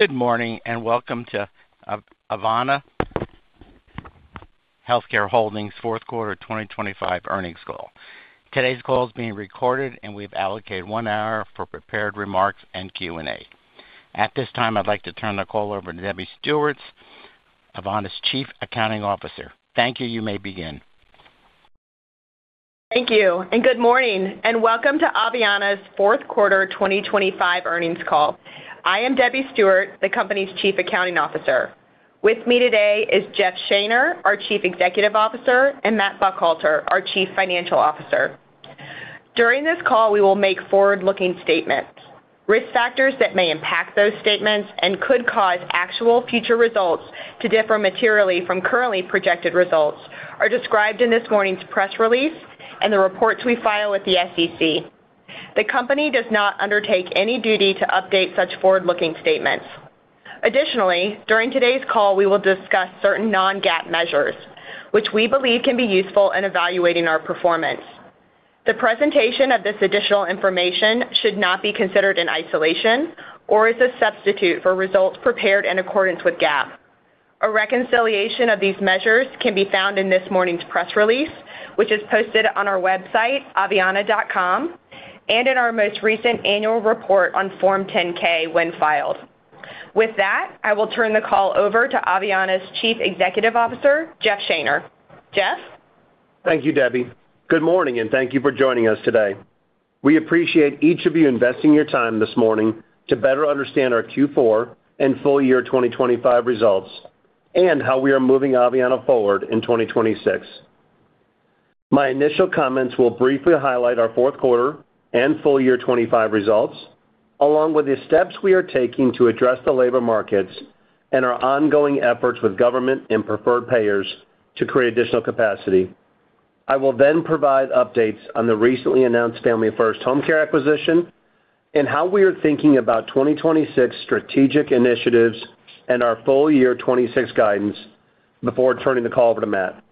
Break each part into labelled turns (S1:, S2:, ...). S1: Good morning, and welcome to Aveanna Healthcare Holdings fourth quarter 2025 earnings call. Today's call is being recorded, and we've allocated 1 hour for prepared remarks and Q&A. At this time, I'd like to turn the call over to Debbie Stewart, Aveanna's Chief Accounting Officer. Thank you. You may begin.
S2: Thank you, and good morning, and welcome to Aveanna's fourth quarter 2025 earnings call. I am Debbie Stewart, the company's Chief Accounting Officer. With me today is Jeff Shaner, our Chief Executive Officer, and Matt Buckhalter, our Chief Financial Officer. During this call, we will make forward-looking statements. Risk factors that may impact those statements and could cause actual future results to differ materially from currently projected results are described in this morning's press release and the reports we file with the SEC. The company does not undertake any duty to update such forward-looking statements. Additionally, during today's call, we will discuss certain non-GAAP measures which we believe can be useful in evaluating our performance. The presentation of this additional information should not be considered in isolation or as a substitute for results prepared in accordance with GAAP. A reconciliation of these measures can be found in this morning's press release, which is posted on our website, aveanna.com, and in our most recent annual report on Form 10-K, when filed. With that, I will turn the call over to Aveanna's Chief Executive Officer, Jeff Shaner. Jeff?
S3: Thank you, Debbie. Good morning, and thank you for joining us today. We appreciate each of you investing your time this morning to better understand our Q4 and full year 2025 results and how we are moving Aveanna forward in 2026. My initial comments will briefly highlight our fourth quarter and full year 2025 results, along with the steps we are taking to address the labor markets and our ongoing efforts with government and preferred payers to create additional capacity. I will then provide updates on the recently announced Family First Homecare acquisition and how we are thinking about 2026 strategic initiatives and our full year 2026 guidance before turning the call over to Matt.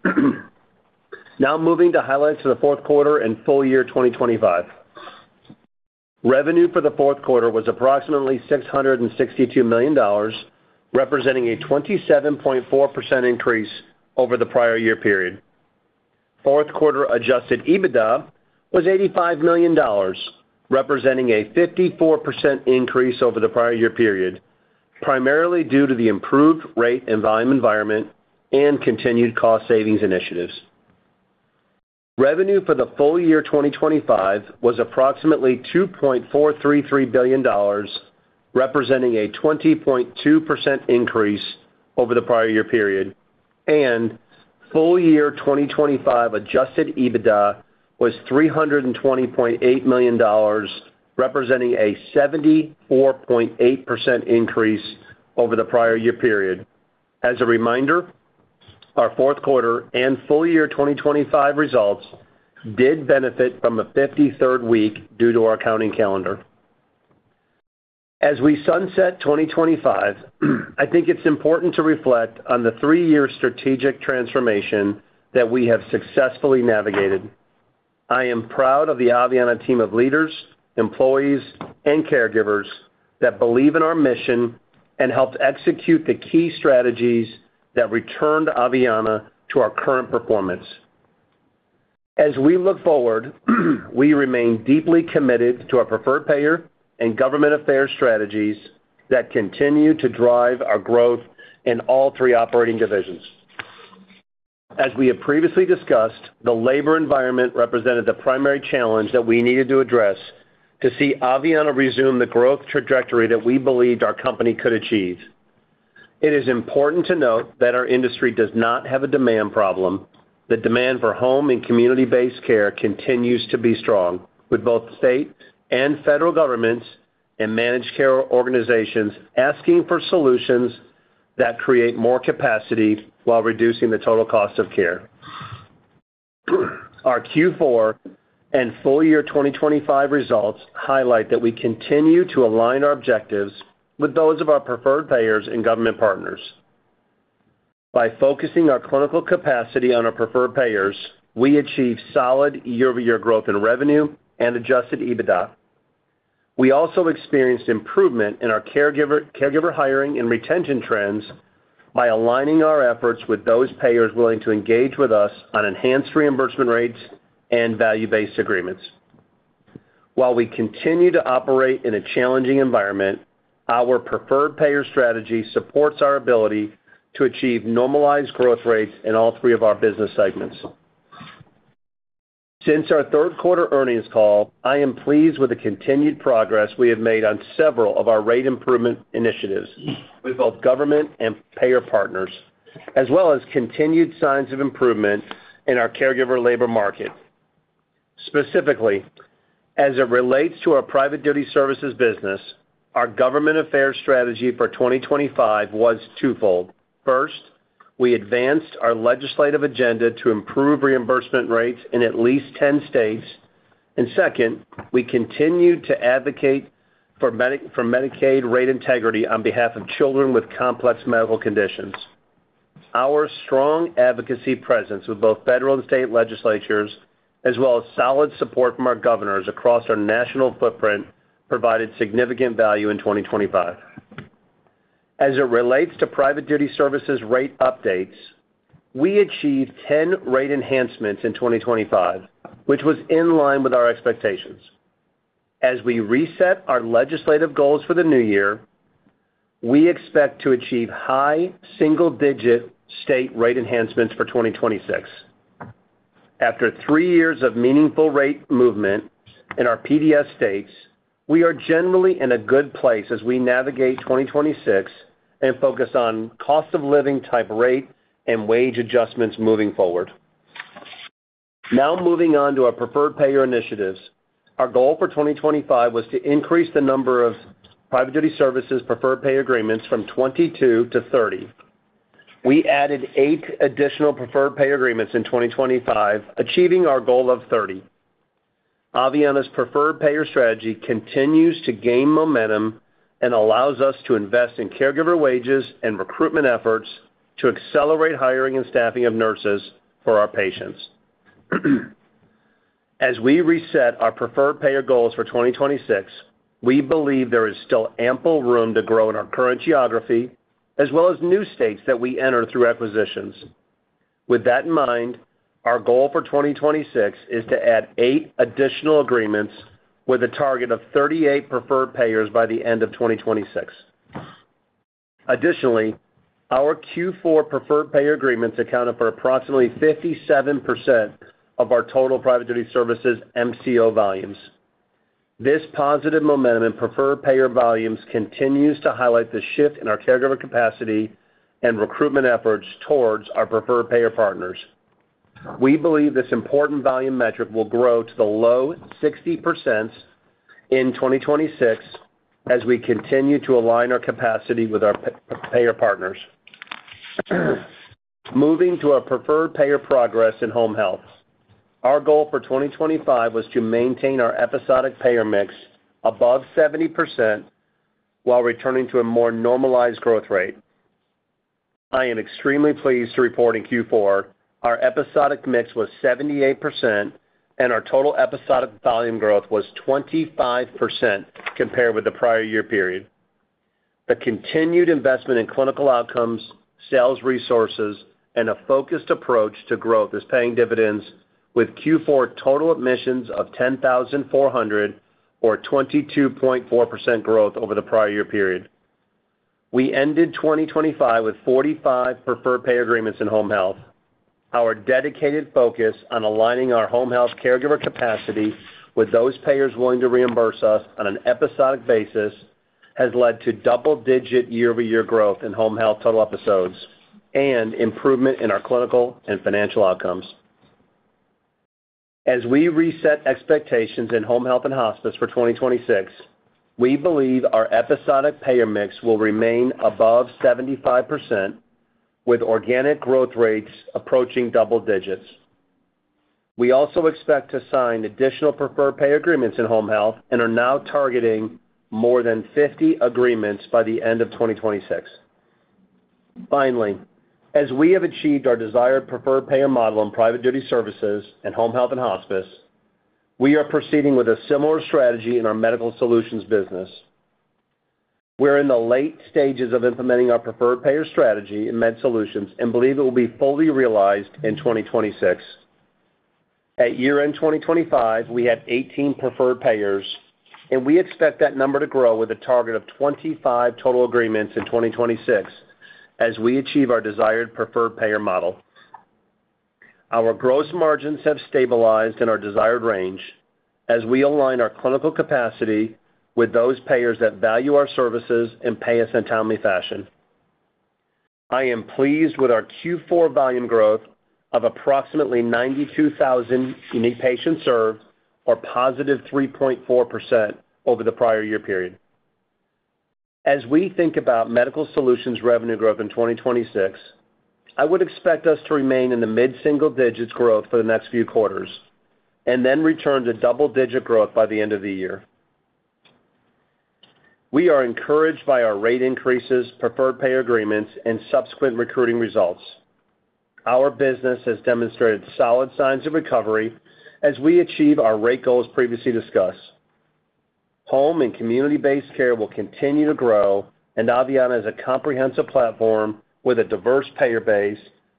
S3: Now moving to highlights for the fourth quarter and full year 2025. Revenue for the fourth quarter was approximately $662 million, representing a 27.4% increase over the prior year period. Fourth quarter Adjusted EBITDA was $85 million, representing a 54% increase over the prior year period, primarily due to the improved rate and volume environment and continued cost savings initiatives. Revenue for the full year 2025 was approximately $2.433 billion, representing a 20.2% increase over the prior year period. Full year 2025 Adjusted EBITDA was $320.8 million, representing a 74.8% increase over the prior year period. As a reminder, our fourth quarter and full year 2025 results did benefit from the 53rd week due to our accounting calendar. As we sunset 2025, I think it's important to reflect on the three-year strategic transformation that we have successfully navigated. I am proud of the Aveanna team of leaders, employees, and caregivers that believe in our mission and helped execute the key strategies that returned Aveanna to our current performance. As we look forward, we remain deeply committed to our preferred payer and government affairs strategies that continue to drive our growth in all three operating divisions. As we have previously discussed, the labor environment represented the primary challenge that we needed to address to see Aveanna resume the growth trajectory that we believed our company could achieve. It is important to note that our industry does not have a demand problem. The demand for home and community-based care continues to be strong, with both state and federal governments and managed care organizations asking for solutions that create more capacity while reducing the total cost of care. Our Q4 and full-year 2025 results highlight that we continue to align our objectives with those of our preferred payers and government partners. By focusing our clinical capacity on our preferred payers, we achieved solid year-over-year growth in revenue and Adjusted EBITDA. We also experienced improvement in our caregiver hiring and retention trends by aligning our efforts with those payers willing to engage with us on enhanced reimbursement rates and value-based agreements. While we continue to operate in a challenging environment, our preferred payer strategy supports our ability to achieve normalized growth rates in all three of our business segments. Since our third quarter earnings call, I am pleased with the continued progress we have made on several of our rate improvement initiatives with both government and payer partners, as well as continued signs of improvement in our caregiver labor market. Specifically, as it relates to our private duty services business, our government affairs strategy for 2025 was twofold. First, we advanced our legislative agenda to improve reimbursement rates in at least 10 states. Second, we continued to advocate for Medicaid rate integrity on behalf of children with complex medical conditions. Our strong advocacy presence with both federal and state legislatures, as well as solid support from our governors across our national footprint, provided significant value in 2025. As it relates to private duty services rate updates, we achieved 10 rate enhancements in 2025, which was in line with our expectations. As we reset our legislative goals for the new year, we expect to achieve high single-digit state rate enhancements for 2026. After three years of meaningful rate movement in our PDS states, we are generally in a good place as we navigate 2026 and focus on cost of living type rate and wage adjustments moving forward. Now, moving on to our preferred payer initiatives. Our goal for 2025 was to increase the number of private duty services preferred payer agreements from 22-30. We added eight additional preferred payer agreements in 2025, achieving our goal of 30. Aveanna's preferred payer strategy continues to gain momentum and allows us to invest in caregiver wages and recruitment efforts to accelerate hiring and staffing of nurses for our patients. As we reset our preferred payer goals for 2026, we believe there is still ample room to grow in our current geography as well as new states that we enter through acquisitions. With that in mind, our goal for 2026 is to add eight additional agreements with a target of 38 preferred payers by the end of 2026. Additionally, our Q4 preferred payer agreements accounted for approximately 57% of our total private duty services MCO volumes. This positive momentum in preferred payer volumes continues to highlight the shift in our caregiver capacity and recruitment efforts towards our preferred payer partners. We believe this important volume metric will grow to the low 60% in 2026 as we continue to align our capacity with our payer partners. Moving to our preferred payer progress in home health. Our goal for 2025 was to maintain our episodic payer mix above 70% while returning to a more normalized growth rate. I am extremely pleased to report in Q4, our episodic mix was 78% and our total episodic volume growth was 25% compared with the prior year period. The continued investment in clinical outcomes, sales resources, and a focused approach to growth is paying dividends with Q4 total admissions of 10,400 or 22.4% growth over the prior year period. We ended 2025 with 45 preferred payer agreements in home health. Our dedicated focus on aligning our home health caregiver capacity with those payers willing to reimburse us on an episodic basis has led to double-digit year-over-year growth in home health total episodes and improvement in our clinical and financial outcomes. As we reset expectations in home health and hospice for 2026, we believe our episodic payer mix will remain above 75% with organic growth rates approaching double digits. We also expect to sign additional preferred payer agreements in home health and are now targeting more than 50 agreements by the end of 2026. Finally, as we have achieved our desired preferred payer model in private duty services and home health and hospice, we are proceeding with a similar strategy in our Medical Solutions business. We're in the late stages of implementing our preferred payer strategy in Medical Solutions and believe it will be fully realized in 2026. At year-end 2025, we had 18 preferred payers, and we expect that number to grow with a target of 25 total agreements in 2026 as we achieve our desired preferred payer model. Our gross margins have stabilized in our desired range as we align our clinical capacity with those payers that value our services and pay us in a timely fashion. I am pleased with our Q4 volume growth of approximately 92,000 unique patients served or positive 3.4% over the prior year period. As we think about Medical Solutions revenue growth in 2026, I would expect us to remain in the mid-single digits growth for the next few quarters and then return to double-digit growth by the end of the year. We are encouraged by our rate increases, preferred payer agreements, and subsequent recruiting results. Our business has demonstrated solid signs of recovery as we achieve our rate goals previously discussed. Home and community-based care will continue to grow, and Aveanna is a comprehensive platform with a diverse payer base,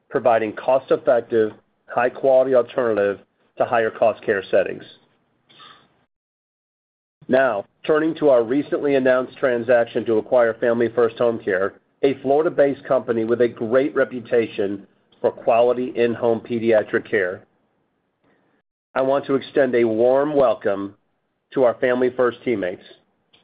S3: providing cost-effective, high-quality alternative to higher cost care settings. Now, turning to our recently announced transaction to acquire Family First Homecare, a Florida-based company with a great reputation for quality in-home pediatric care. I want to extend a warm welcome to our Family First teammates.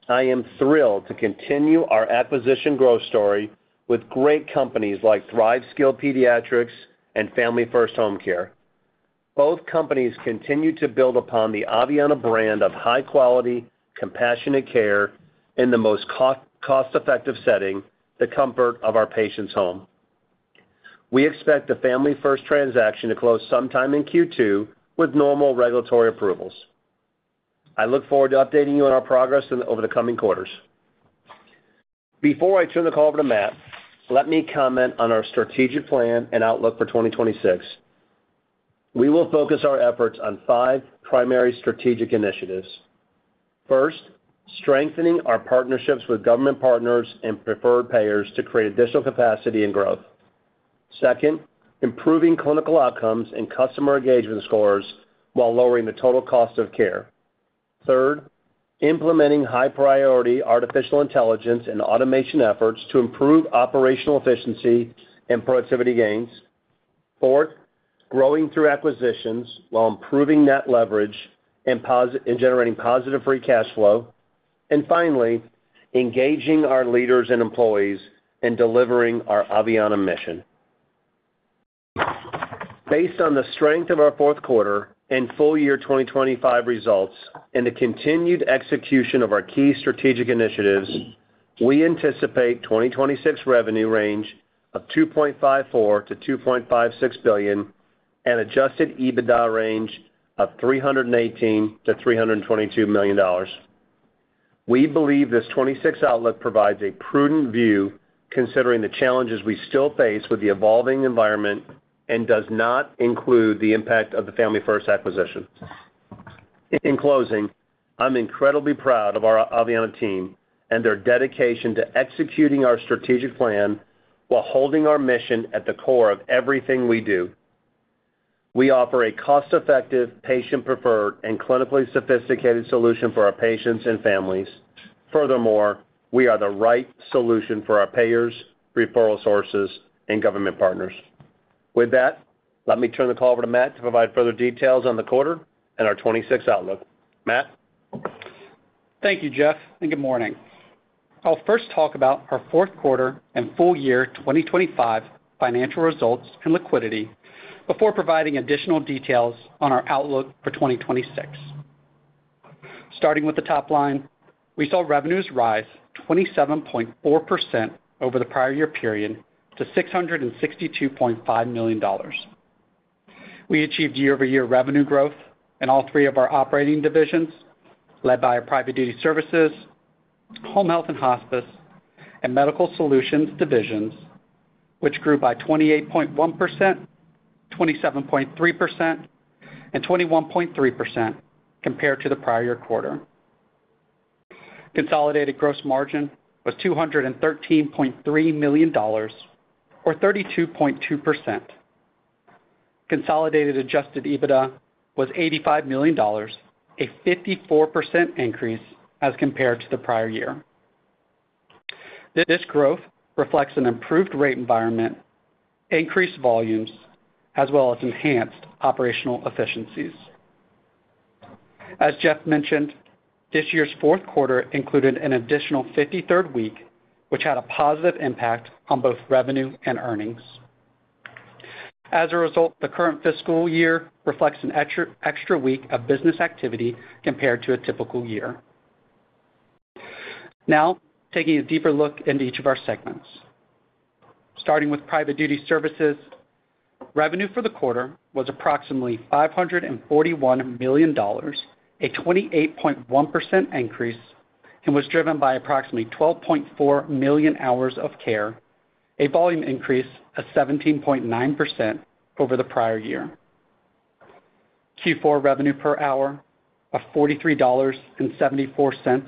S3: I am thrilled to continue our acquisition growth story with great companies like Thrive Skilled Pediatric Care and Family First Homecare. Both companies continue to build upon the Aveanna brand of high quality, compassionate care in the most cost-effective setting, the comfort of our patient's home. We expect the Family First transaction to close sometime in Q2 with normal regulatory approvals. I look forward to updating you on our progress in over the coming quarters. Before I turn the call over to Matt, let me comment on our strategic plan and outlook for 2026. We will focus our efforts on five primary strategic initiatives. First, strengthening our partnerships with government partners and preferred payers to create additional capacity and growth. Second, improving clinical outcomes and customer engagement scores while lowering the total cost of care. Third, implementing high priority artificial intelligence and automation efforts to improve operational efficiency and productivity gains. Fourth, growing through acquisitions while improving net leverage and generating positive free cash flow. Finally, engaging our leaders and employees in delivering our Aveanna mission. Based on the strength of our fourth quarter and full year 2025 results and the continued execution of our key strategic initiatives, we anticipate 2026 revenue range of $2.54 billion-$2.56 billion and Adjusted EBITDA range of $318 million-$322 million. We believe this 2026 outlook provides a prudent view considering the challenges we still face with the evolving environment and does not include the impact of the Family First acquisition. In closing, I'm incredibly proud of our Aveanna team and their dedication to executing our strategic plan while holding our mission at the core of everything we do. We offer a cost-effective, patient-preferred, and clinically sophisticated solution for our patients and families. Furthermore, we are the right solution for our payers, referral sources, and government partners. With that, let me turn the call over to Matt to provide further details on the quarter and our 2026 outlook. Matt?
S4: Thank you, Jeff, and good morning. I'll first talk about our fourth quarter and full year 2025 financial results and liquidity before providing additional details on our outlook for 2026. Starting with the top line, we saw revenues rise 27.4% over the prior year period to $662.5 million. We achieved year-over-year revenue growth in all three of our operating divisions led by our private duty services, home health and hospice, and medical solutions divisions, which grew by 28.1%, 27.3%, and 21.3% compared to the prior year quarter. Consolidated gross margin was $213.3 million, or 32.2%. Consolidated adjusted EBITDA was $85 million, a 54% increase as compared to the prior year. This growth reflects an improved rate environment, increased volumes, as well as enhanced operational efficiencies. As Jeff mentioned, this year's fourth quarter included an additional 53rd week, which had a positive impact on both revenue and earnings. As a result, the current fiscal year reflects an extra week of business activity compared to a typical year. Now, taking a deeper look into each of our segments. Starting with Private Duty Services, revenue for the quarter was approximately $541 million, a 28.1% increase, and was driven by approximately 12.4 million hours of care, a volume increase of 17.9% over the prior year. Q4 revenue per hour of $43.74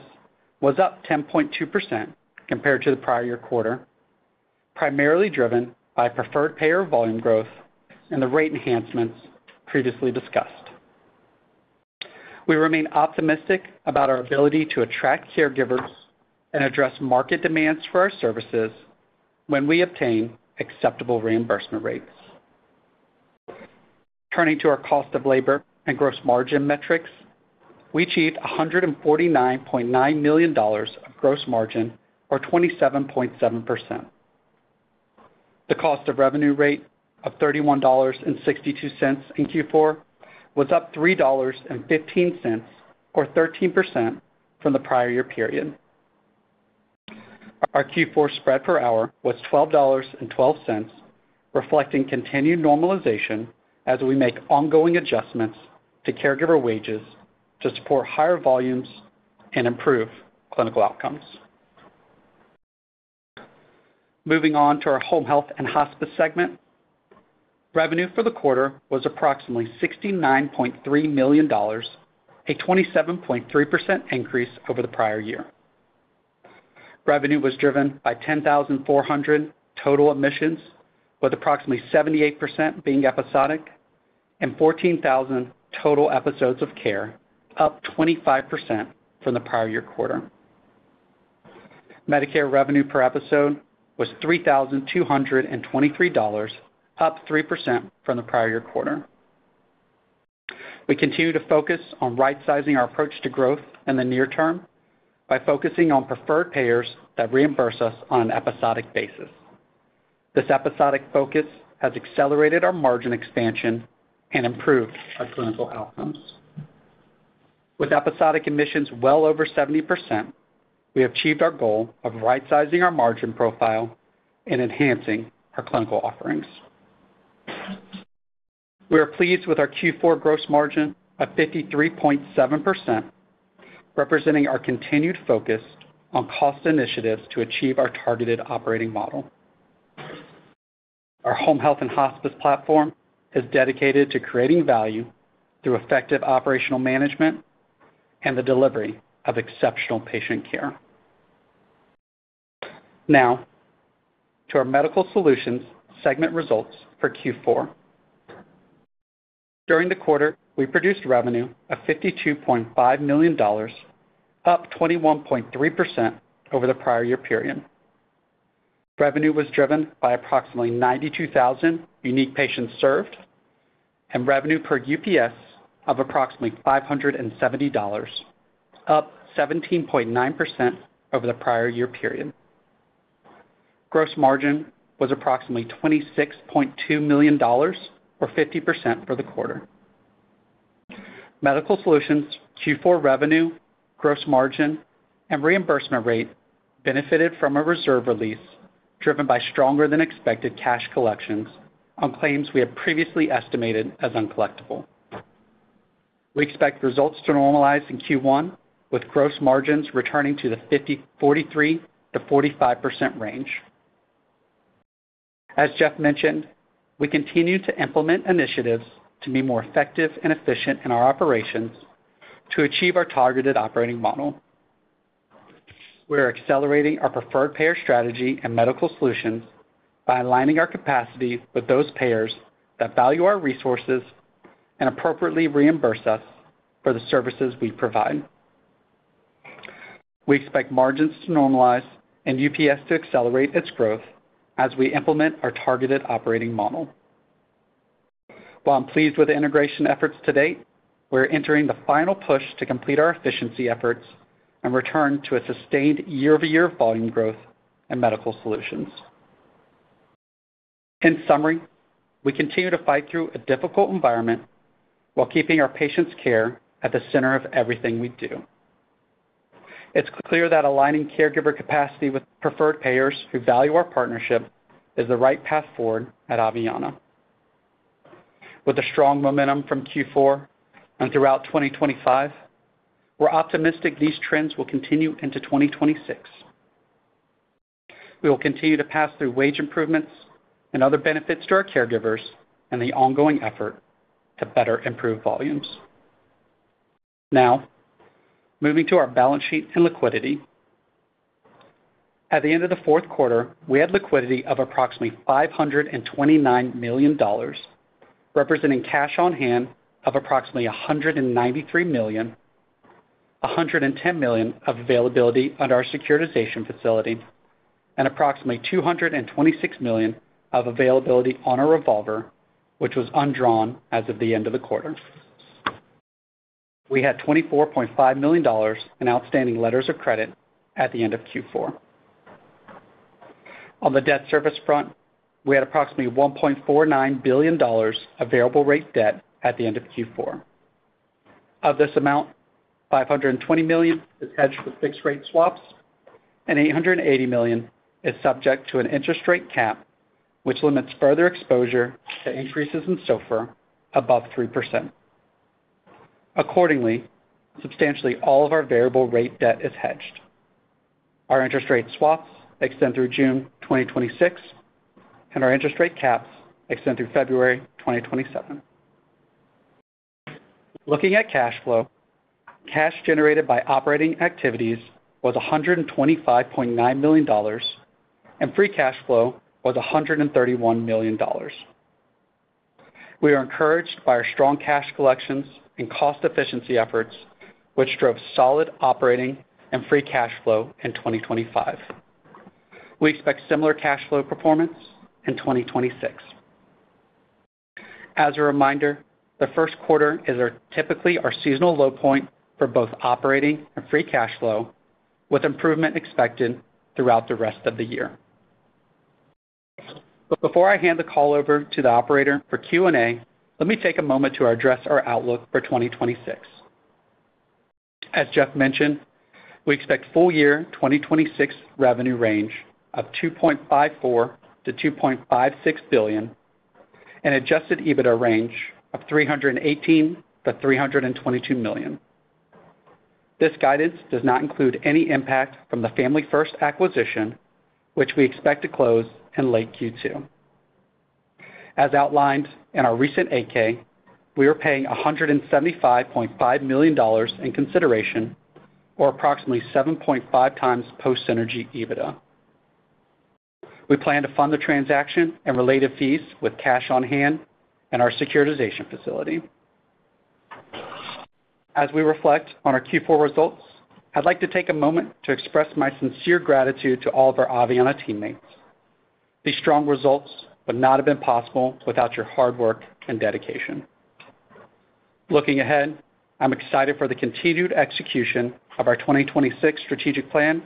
S4: was up 10.2% compared to the prior year quarter, primarily driven by preferred payer volume growth and the rate enhancements previously discussed. We remain optimistic about our ability to attract caregivers and address market demands for our services when we obtain acceptable reimbursement rates. Turning to our cost of labor and gross margin metrics, we achieved $149.9 million of gross margin, or 27.7%. The cost of revenue rate of $31.62 in Q4 was up $3.15, or 13%, from the prior year period. Our Q4 spread per hour was $12.12, reflecting continued normalization as we make ongoing adjustments to caregiver wages to support higher volumes and improve clinical outcomes. Moving on to our home health and hospice segment. Revenue for the quarter was approximately $69.3 million, a 27.3% increase over the prior year. Revenue was driven by 10,400 total admissions, with approximately 78% being episodic and 14,000 total episodes of care, up 25% from the prior year quarter. Medicare revenue per episode was $3,223, up 3% from the prior year quarter. We continue to focus on rightsizing our approach to growth in the near term by focusing on preferred payers that reimburse us on an episodic basis. This episodic focus has accelerated our margin expansion and improved our clinical outcomes. With episodic admissions well over 70%, we have achieved our goal of rightsizing our margin profile and enhancing our clinical offerings. We are pleased with our Q4 gross margin of 53.7%, representing our continued focus on cost initiatives to achieve our targeted operating model. Our home health and hospice platform is dedicated to creating value through effective operational management and the delivery of exceptional patient care. Now, to our Medical Solutions segment results for Q4. During the quarter, we produced revenue of $52.5 million, up 21.3% over the prior year period. Revenue was driven by approximately 92,000 unique patients served, and revenue per UPS of approximately $570, up 17.9% over the prior year period. Gross margin was approximately $26.2 million, or 50% for the quarter. Medical Solutions Q4 revenue, gross margin, and reimbursement rate benefited from a reserve release driven by stronger than expected cash collections on claims we had previously estimated as uncollectible. We expect results to normalize in Q1, with gross margins returning to the 43%-45% range. As Jeff mentioned, we continue to implement initiatives to be more effective and efficient in our operations to achieve our targeted operating model. We are accelerating our preferred payer strategy in Medical Solutions by aligning our capacity with those payers that value our resources and appropriately reimburse us for the services we provide. We expect margins to normalize and UPS to accelerate its growth as we implement our targeted operating model. While I'm pleased with the integration efforts to date, we're entering the final push to complete our efficiency efforts and return to a sustained year-over-year volume growth in Medical Solutions. In summary, we continue to fight through a difficult environment while keeping our patients' care at the center of everything we do. It's clear that aligning caregiver capacity with preferred payers who value our partnership is the right path forward at Aveanna. With the strong momentum from Q4 and throughout 2025, we're optimistic these trends will continue into 2026. We will continue to pass through wage improvements and other benefits to our caregivers in the ongoing effort to better improve volumes. Now, moving to our balance sheet and liquidity. At the end of the fourth quarter, we had liquidity of approximately $529 million, representing cash on hand of approximately $193 million, $110 million of availability under our securitization facility, and approximately $226 million of availability on our revolver, which was undrawn as of the end of the quarter. We had $24.5 million in outstanding letters of credit at the end of Q4. On the debt service front, we had approximately $1.49 billion available rate debt at the end of Q4. Of this amount, $520 million is hedged with fixed rate swaps, and $880 million is subject to an interest rate cap, which limits further exposure to increases in SOFR above 3%. Accordingly, substantially all of our variable rate debt is hedged. Our interest rate swaps extend through June 2026, and our interest rate caps extend through February 2027. Looking at cash flow, cash generated by operating activities was $125.9 million, and free cash flow was $131 million. We are encouraged by our strong cash collections and cost efficiency efforts, which drove solid operating and free cash flow in 2025. We expect similar cash flow performance in 2026. As a reminder, the first quarter is our, typically our seasonal low point for both operating and free cash flow, with improvement expected throughout the rest of the year. Before I hand the call over to the operator for Q&A, let me take a moment to address our outlook for 2026. As Jeff mentioned, we expect full year 2026 revenue range of $2.54 billion-$2.56 billion, and Adjusted EBITDA range of $318 million-$322 million. This guidance does not include any impact from the Family First acquisition, which we expect to close in late Q2. As outlined in our recent 8-K, we are paying $175.5 million in consideration, or approximately 7.5 times post-synergy EBITDA. We plan to fund the transaction and related fees with cash on hand and our securitization facility. As we reflect on our Q4 results, I'd like to take a moment to express my sincere gratitude to all of our Aveanna teammates. These strong results would not have been possible without your hard work and dedication. Looking ahead, I'm excited for the continued execution of our 2026 strategic plan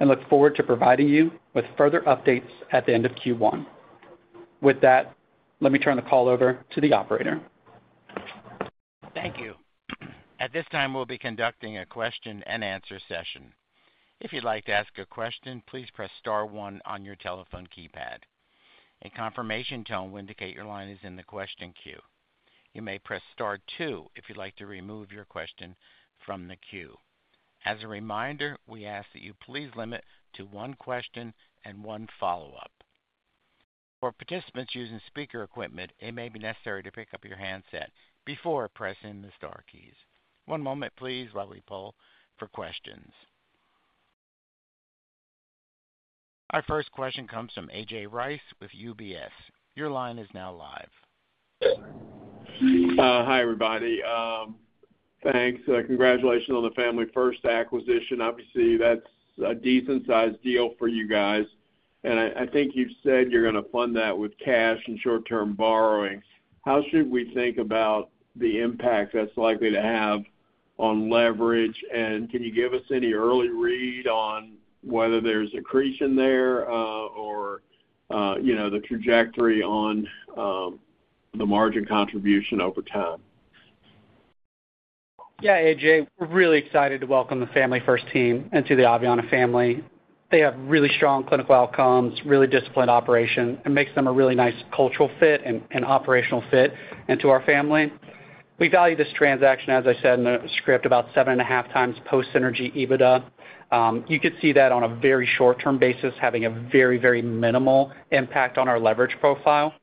S4: and look forward to providing you with further updates at the end of Q1. With that, let me turn the call over to the operator.
S1: Thank you. At this time, we'll be conducting a question and answer session. If you'd like to ask a question, please press star one on your telephone keypad. A confirmation tone will indicate your line is in the question queue. You may press star two if you'd like to remove your question from the queue. As a reminder, we ask that you please limit to one question and one follow-up. For participants using speaker equipment, it may be necessary to pick up your handset before pressing the star keys. One moment please while we poll for questions. Our first question comes from A.J. Rice with UBS. Your line is now live.
S5: Hi, everybody. Thanks. Congratulations on the Family First acquisition. Obviously, that's a decent sized deal for you guys. I think you've said you're gonna fund that with cash and short-term borrowings. How should we think about the impact that's likely to have on leverage? Can you give us any early read on whether there's accretion there, or the trajectory on the margin contribution over time?
S4: Yeah. A.J., we're really excited to welcome the Family First team into the Aveanna family. They have really strong clinical outcomes, really disciplined operation. It makes them a really nice cultural fit and operational fit into our family. We value this transaction, as I said in the script, about 7.5 times post synergy EBITDA. You could see that on a very short-term basis, having a very, very minimal impact on our leverage profile.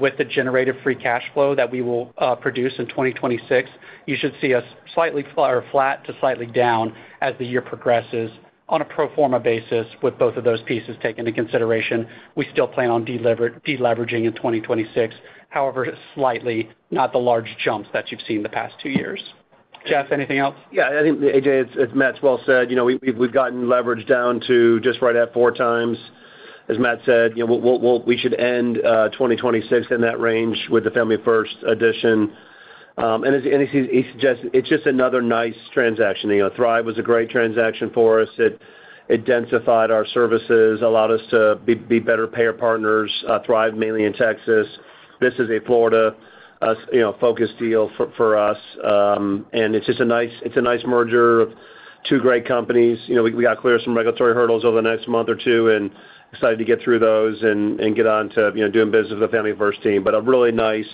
S4: With the generated free cash flow that we will produce in 2026, you should see us slightly or flat to slightly down as the year progresses on a pro forma basis with both of those pieces taken into consideration. We still plan on deleveraging in 2026, however, slightly not the large jumps that you've seen the past two years. Jeff, anything else?
S3: Yeah. I think, A.J., as Matt's well said, you know, we've gotten leverage down to just right at 4x. As Matt said, you know, we should end 2026 in that range with the Family First addition. And as he suggested, it's just another nice transaction. You know, Thrive was a great transaction for us. It densified our services, allowed us to be better payer partners, Thrive mainly in Texas. This is a Florida focused deal for us. And it's just a nice merger of two great companies. You know, we gotta clear some regulatory hurdles over the next month or two and excited to get through those and get on to doing business with the Family First team. A really nice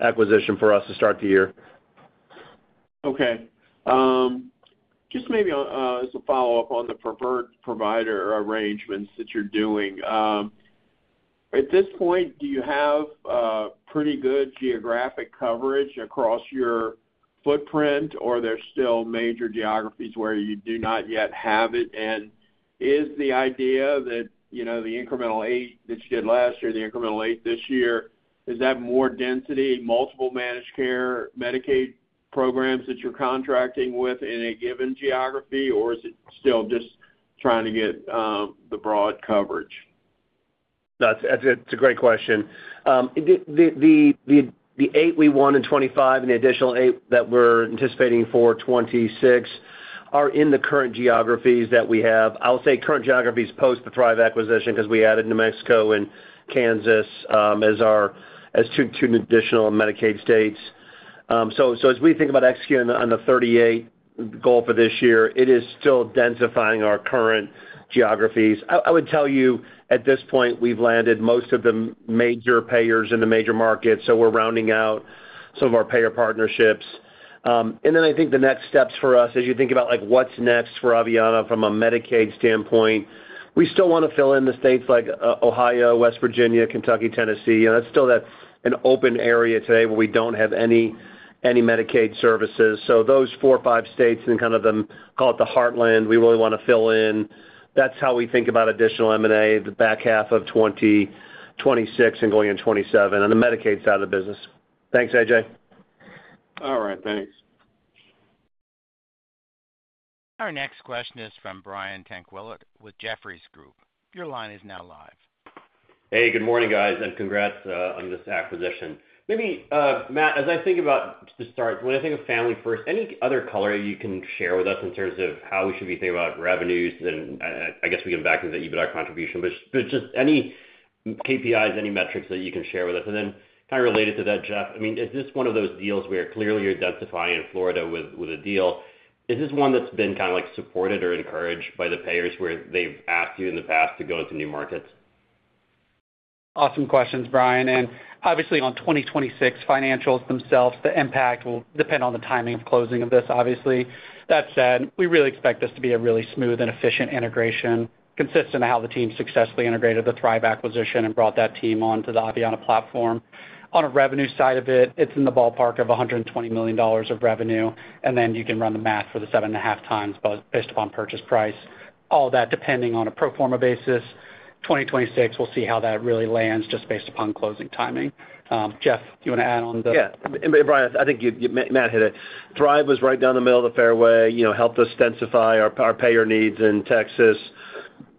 S3: acquisition for us to start the year.
S5: Okay. Just maybe, as a follow-up on the preferred provider arrangements that you're doing. At this point, do you have pretty good geographic coverage across your footprint, or there's still major geographies where you do not yet have it? Is the idea that, you know, the incremental 8 that you did last year, the incremental 8 this year, is that more density, multiple managed care Medicaid programs that you're contracting with in a given geography, or is it still just trying to get the broad coverage?
S3: That's a great question. The 8 we won in 2025 and the additional 8 that we're anticipating for 2026 are in the current geographies that we have. I'll say current geographies post the Thrive acquisition because we added New Mexico and Kansas as our two additional Medicaid states. As we think about executing on the 38 goal for this year, it is still densifying our current geographies. I would tell you at this point, we've landed most of the major payers in the major markets, so we're rounding out some of our payer partnerships. Then I think the next steps for us as you think about, like, what's next for Aveanna from a Medicaid standpoint, we still wanna fill in the states like Ohio, West Virginia, Kentucky, Tennessee. You know, that's still that an open area today where we don't have any Medicaid services. So those four or five states and kind of the, call it the heartland, we really wanna fill in. That's how we think about additional M&A, the back half of 2026 and going in 2027 on the Medicaid side of the business. Thanks, A.J.
S5: All right. Thanks.
S1: Our next question is from Brian Tanquilut with Jefferies Group. Your line is now live.
S6: Hey, good morning, guys, and congrats on this acquisition. Maybe, Matt, as I think about to start, when I think of Family First, any other color you can share with us in terms of how we should be thinking about revenues? I guess we can back into the EBITDA contribution, but just any KPIs, any metrics that you can share with us. Kind of related to that, Jeff, I mean, is this one of those deals where you're clearly densifying in Florida with a deal? Is this one that's been kinda, like, supported or encouraged by the payers where they've asked you in the past to go into new markets?
S4: Awesome questions, Brian. Obviously on 2026 financials themselves, the impact will depend on the timing of closing of this obviously. That said, we really expect this to be a really smooth and efficient integration consistent with how the team successfully integrated the Thrive acquisition and brought that team onto the Aveanna platform. On a revenue side of it's in the ballpark of $120 million of revenue, and then you can run the math for the 7.5x based upon purchase price. All that depending on a pro forma basis, 2026, we'll see how that really lands just based upon closing timing. Jeff, do you wanna add on the?
S3: Yeah. Brian, I think you, Matt hit it. Thrive was right down the middle of the fairway, you know, helped us densify our payer needs in Texas.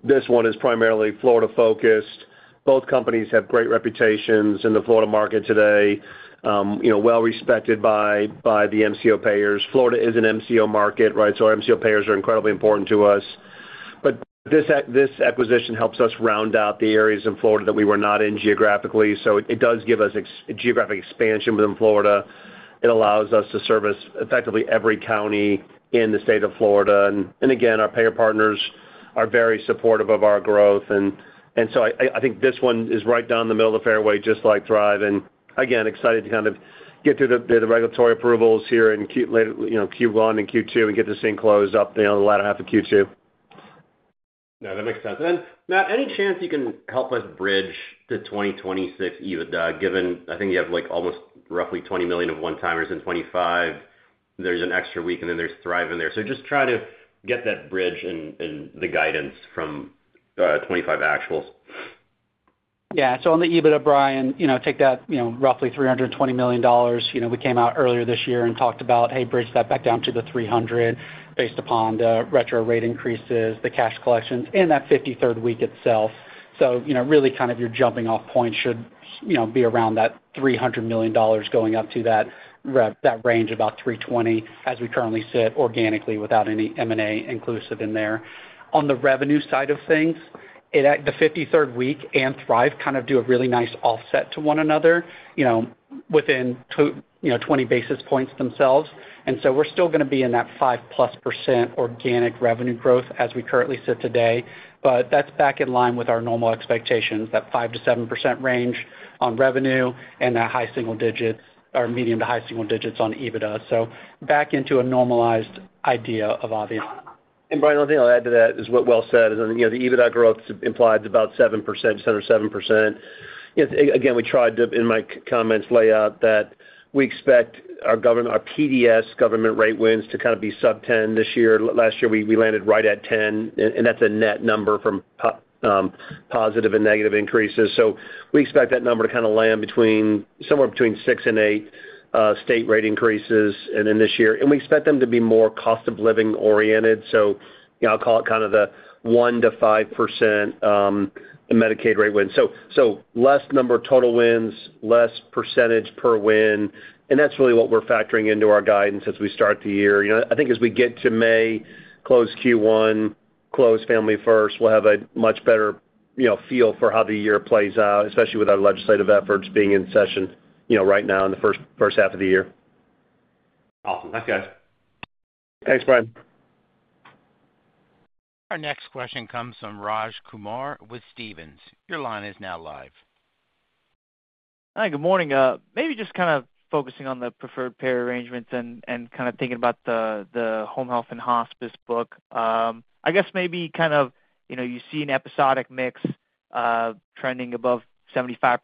S3: This one is primarily Florida-focused. Both companies have great reputations in the Florida market today. You know, well respected by the MCO payers. Florida is an MCO market, right? Our MCO payers are incredibly important to us. This acquisition helps us round out the areas in Florida that we were not in geographically. It does give us geographic expansion within Florida. It allows us to service effectively every county in the state of Florida. Again, our payer partners are very supportive of our growth. I think this one is right down the middle of the fairway, just like Thrive. Again, excited to kind of get through the regulatory approvals here in Q1 and Q2, and get this thing closed up, you know, in the latter half of Q2.
S6: No, that makes sense. Matt, any chance you can help us bridge the 2026 EBITDA, given I think you have like almost roughly $20 million of one-timers in 2025. There's an extra week, and then there's Thrive in there. Just try to get that bridge and the guidance from 2025 actuals.
S4: Yeah. On the EBITDA, Brian, you know, take that, you know, roughly $320 million. You know, we came out earlier this year and talked about, hey, bridge that back down to the $300 based upon the retro rate increases, the cash collections, and that fifty-third week itself. Really kind of your jumping off point should, you know, be around that $300 million going up to that range, about $320 as we currently sit organically without any M&A inclusive in there. On the revenue side of things, the fifty-third week and Thrive kind of do a really nice offset to one another, you know, within 20 basis points themselves. We're still gonna be in that 5%+ organic revenue growth as we currently sit today. That's back in line with our normal expectations, that 5%-7% range on revenue and that high single digits or medium to high single digits on EBITDA. Back into a normalized idea of Aveanna.
S3: Brian, one thing I'll add to that is what Will said, you know, the EBITDA growth implied about 7%, just under 7%. Again, we tried to, in my comments, lay out that we expect our PDS government rate wins to kind of be sub-10 this year. Last year, we landed right at 10, and that's a net number from, positive and negative increases. We expect that number to kind of land between, somewhere between 6 and 8 state rate increases in this year. We expect them to be more cost of living oriented. You know, I'll call it kind of the 1%-5% Medicaid rate win. less number of total wins, less percentage per win, and that's really what we're factoring into our guidance as we start the year. You know, I think as we get to May, close Q1, close Family First, we'll have a much better, you know, feel for how the year plays out, especially with our legislative efforts being in session, you know, right now in the first half of the year.
S6: Awesome. Thanks, guys.
S3: Thanks, Brian.
S1: Our next question comes from Raj Kumar with Stephens. Your line is now live.
S7: Hi, good morning. Maybe just kind of focusing on the preferred payer arrangements and kind of thinking about the home health and hospice book. I guess maybe kind of, you know, you see an episodic mix trending above 75%,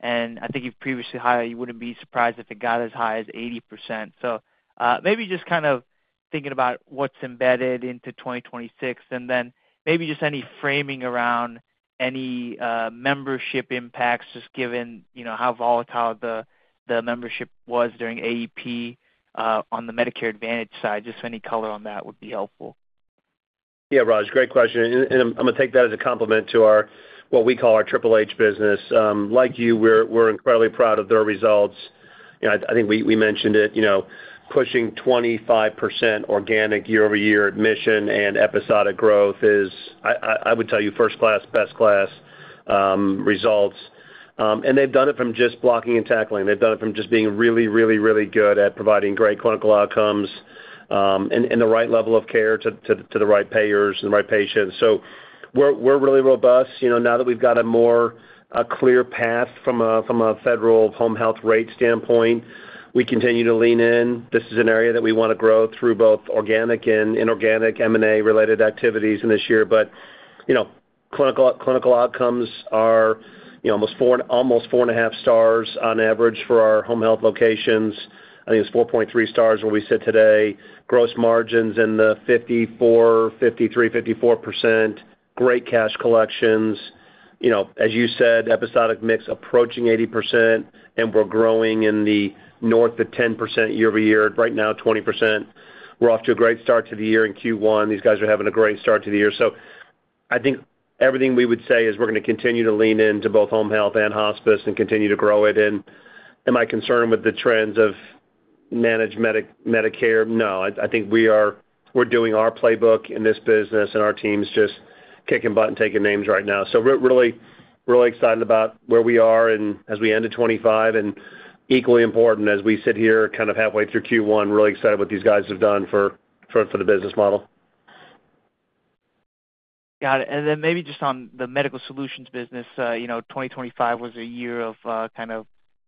S7: and I think you've previously highlighted you wouldn't be surprised if it got as high as 80%. Maybe just kind of thinking about what's embedded into 2026 and then maybe just any framing around any membership impacts just given, you know, how volatile the membership was during AEP on the Medicare Advantage side. Just any color on that would be helpful.
S3: Yeah, Raj, great question, and I'm gonna take that as a compliment to our, what we call our HHH business. Like you, we're incredibly proud of their results. You know, I think we mentioned it, you know, pushing 25% organic year-over-year admission and episodic growth is, I would tell you, first-class, best-class results. And they've done it from just blocking and tackling. They've done it from just being really good at providing great clinical outcomes, and the right level of care to the right payers and the right patients. So we're really robust. You know, now that we've got a more clear path from a federal home health rate standpoint, we continue to lean in. This is an area that we wanna grow through both organic and inorganic M&A-related activities in this year. You know, clinical outcomes are, you know, almost 4.5 stars on average for our home health locations. I think it's 4.3 stars where we sit today. Gross margins in the 54, 53, 54%. Great cash collections. You know, as you said, episodic mix approaching 80%, and we're growing in the north of 10% year-over-year. Right now, 20%. We're off to a great start to the year in Q1. These guys are having a great start to the year. So I think everything we would say is we're gonna continue to lean into both home health and hospice and continue to grow it. Am I concerned with the trends of managed Medicare? No. I think we're doing our playbook in this business, and our team's just kicking butt and taking names right now. Really excited about where we are and as we end in 2025, and equally important as we sit here kind of halfway through Q1, really excited what these guys have done for the business model.
S7: Got it. Maybe just on the Medical Solutions business, you know, 2025 was a year of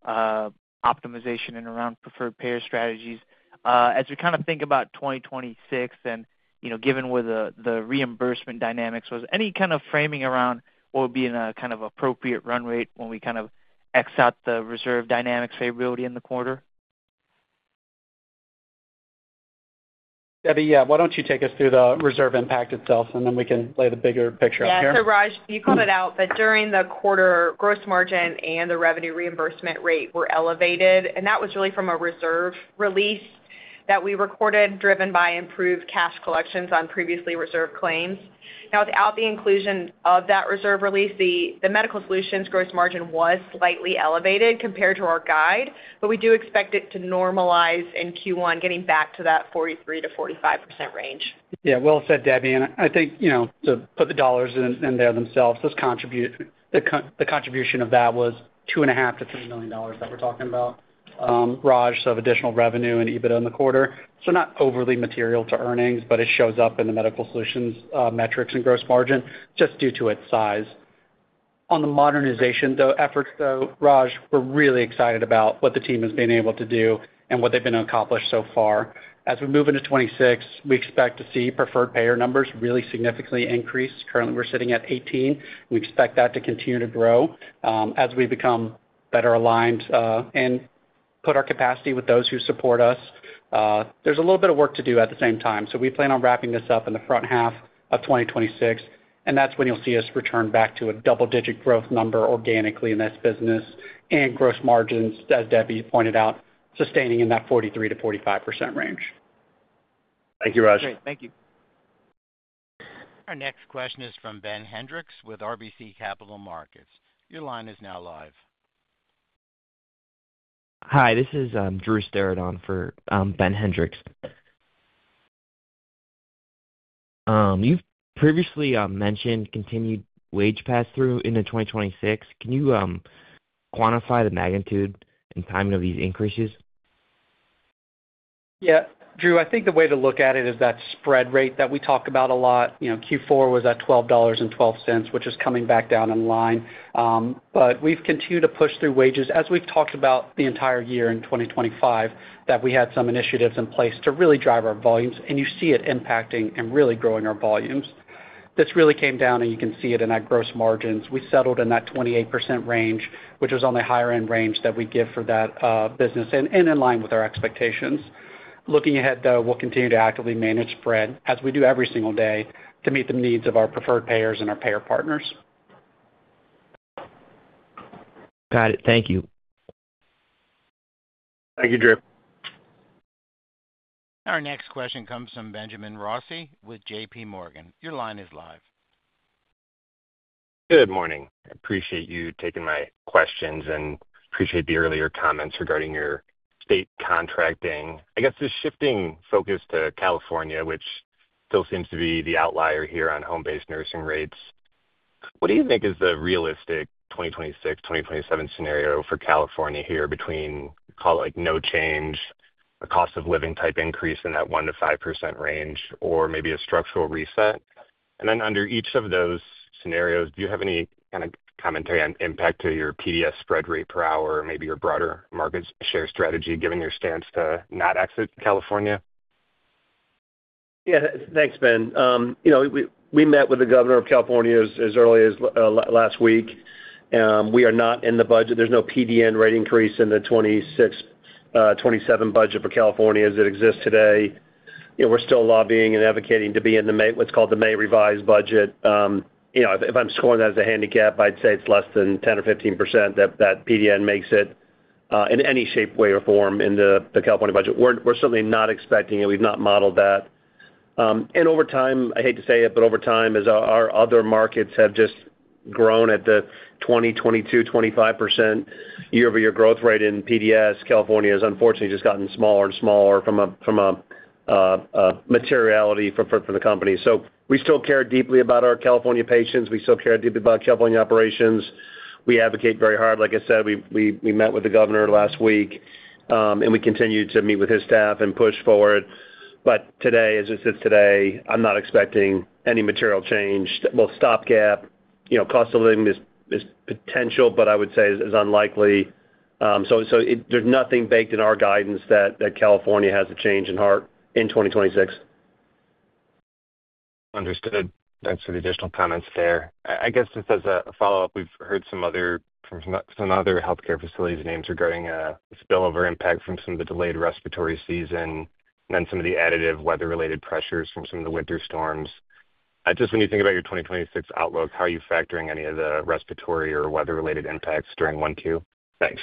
S7: optimization and around preferred payer strategies. As we kind of think about 2026 and, you know, given where the reimbursement dynamics was, any kind of framing around what would be in a kind of appropriate run rate when we kind of x out the reserve dynamics variability in the quarter?
S4: Debbie, yeah, why don't you take us through the reserve impact itself, and then we can lay the bigger picture out there.
S2: Yeah. Raj, you called it out that during the quarter, gross margin and the revenue reimbursement rate were elevated, and that was really from a reserve release. That we recorded, driven by improved cash collections on previously reserved claims. Now, without the inclusion of that reserve release, the Medical Solutions gross margin was slightly elevated compared to our guide, but we do expect it to normalize in Q1, getting back to that 43%-45% range.
S3: Yeah. Well said, Debbie. I think, you know, to put the dollars in there themselves, the contribution of that was $2.5 million-$3 million that we're talking about, Raj, so of additional revenue and EBITDA in the quarter, so not overly material to earnings, but it shows up in the Medical Solutions metrics and gross margin just due to its size. On the modernization efforts, though, Raj, we're really excited about what the team has been able to do and what they've been able to accomplish so far. As we move into 2026, we expect to see preferred payer numbers really significantly increase. Currently, we're sitting at 18. We expect that to continue to grow, as we become better aligned and put our capacity with those who support us. There's a little bit of work to do at the same time, so we plan on wrapping this up in the front half of 2026, and that's when you'll see us return back to a double-digit growth number organically in this business and gross margins, as Debbie pointed out, sustaining in that 43%-45% range. Thank you, Raj.
S7: Great. Thank you.
S1: Our next question is from Ben Hendrix with RBC Capital Markets. Your line is now live.
S8: Hi, this is Drew Steridon for Ben Hendrix. You've previously mentioned continued wage pass-through into 2026. Can you quantify the magnitude and timing of these increases?
S3: Yeah. Drew, I think the way to look at it is that spread rate that we talk about a lot. You know, Q4 was at $12.12, which is coming back down in line. But we've continued to push through wages. As we've talked about the entire year in 2025, that we had some initiatives in place to really drive our volumes, and you see it impacting and really growing our volumes. This really came down, and you can see it in our gross margins. We settled in that 28% range, which was on the higher end range that we give for that business and in line with our expectations. Looking ahead, though, we'll continue to actively manage spread as we do every single day to meet the needs of our preferred payers and our payer partners.
S9: Got it. Thank you.
S3: Thank you, Drew.
S1: Our next question comes from Benjamin Rossi with JPMorgan. Your line is live.
S10: Good morning. I appreciate you taking my questions and appreciate the earlier comments regarding your state contracting. I guess, just shifting focus to California, which still seems to be the outlier here on home-based nursing rates. What do you think is the realistic 2026, 2027 scenario for California here between, call it, like, no change, a cost of living type increase in that 1%-5% range, or maybe a structural reset? And then under each of those scenarios, do you have any kind of commentary on impact to your PDS spread rate per hour or maybe your broader market share strategy, given your stance to not exit California?
S3: Yeah. Thanks, Ben. You know, we met with the governor of California as early as last week. We are not in the budget. There's no PDN rate increase in the 2026, 2027 budget for California as it exists today. You know, we're still lobbying and advocating to be in the May, what's called the May revised budget. You know, if I'm scoring that as a handicap, I'd say it's less than 10 or 15% that PDN makes it in any shape, way or form in the California budget. We're certainly not expecting it. We've not modeled that. Over time, I hate to say it, but over time, as our other markets have just grown at the 20, 22, 25% year-over-year growth rate in PDS, California has unfortunately just gotten smaller and smaller from a materiality for the company. We still care deeply about our California patients. We still care deeply about California operations. We advocate very hard. Like I said, we met with the governor last week, and we continue to meet with his staff and push forward. Today, as it sits today, I'm not expecting any material change. We'll stop gap. You know, cost of living is potential, but I would say is unlikely. So it. There's nothing baked in our guidance that California has a change in heart in 2026.
S10: Understood. Thanks for the additional comments there. I guess, just as a follow-up, we've heard from some other healthcare facility names regarding the spillover impact from some of the delayed respiratory season and some of the additional weather-related pressures from some of the winter storms. Just when you think about your 2026 outlook, how are you factoring any of the respiratory or weather-related impacts during 1Q? Thanks.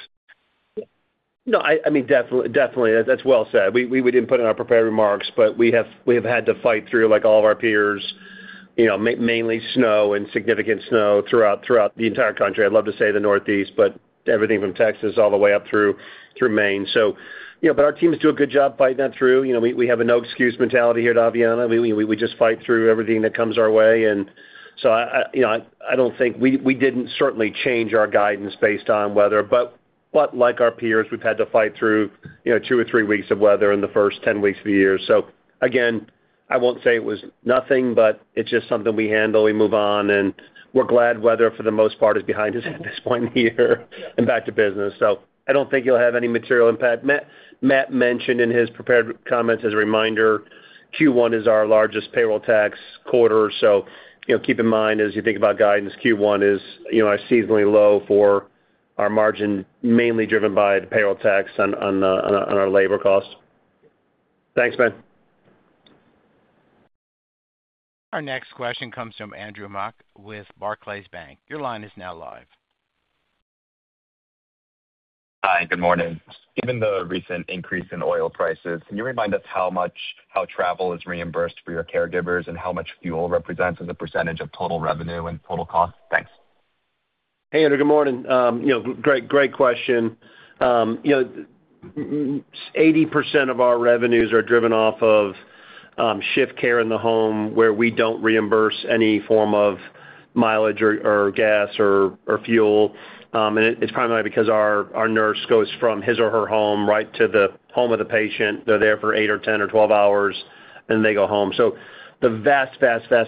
S3: No, I mean, definitely. That's well said. We didn't put it in our prepared remarks, but we have had to fight through, like all of our peers, you know, mainly snow and significant snow throughout the entire country. I'd love to say the Northeast, but everything from Texas all the way up through Maine. You know, but our teams do a good job fighting that through. You know, we have a no excuse mentality here at Aveanna. We just fight through everything that comes our way. We certainly didn't change our guidance based on weather. Like our peers, we've had to fight through, you know, two or three weeks of weather in the first 10 weeks of the year. Again, I won't say it was nothing, but it's just something we handle, we move on, and we're glad weather, for the most part, is behind us at this point here and back to business. I don't think you'll have any material impact. Matt mentioned in his prepared comments, as a reminder, Q1 is our largest payroll tax quarter. You know, keep in mind as you think about guidance, Q1 is, you know, our seasonally low for our margin, mainly driven by the payroll tax on our labor costs. Thanks, Ben.
S1: Our next question comes from Andrew Mok with Barclays Bank. Your line is now live.
S11: Hi, good morning. Given the recent increase in oil prices, can you remind us how travel is reimbursed for your caregivers and how much fuel represents as a % of total revenue and total cost? Thanks.
S3: Hey, Andrew. Good morning. You know, great question. You know, 80% of our revenues are driven off of shift care in the home where we don't reimburse any form of mileage or gas or fuel. And it's primarily because our nurse goes from his or her home right to the home of the patient. They're there for 8 or 10 or 12 hours, then they go home. The vast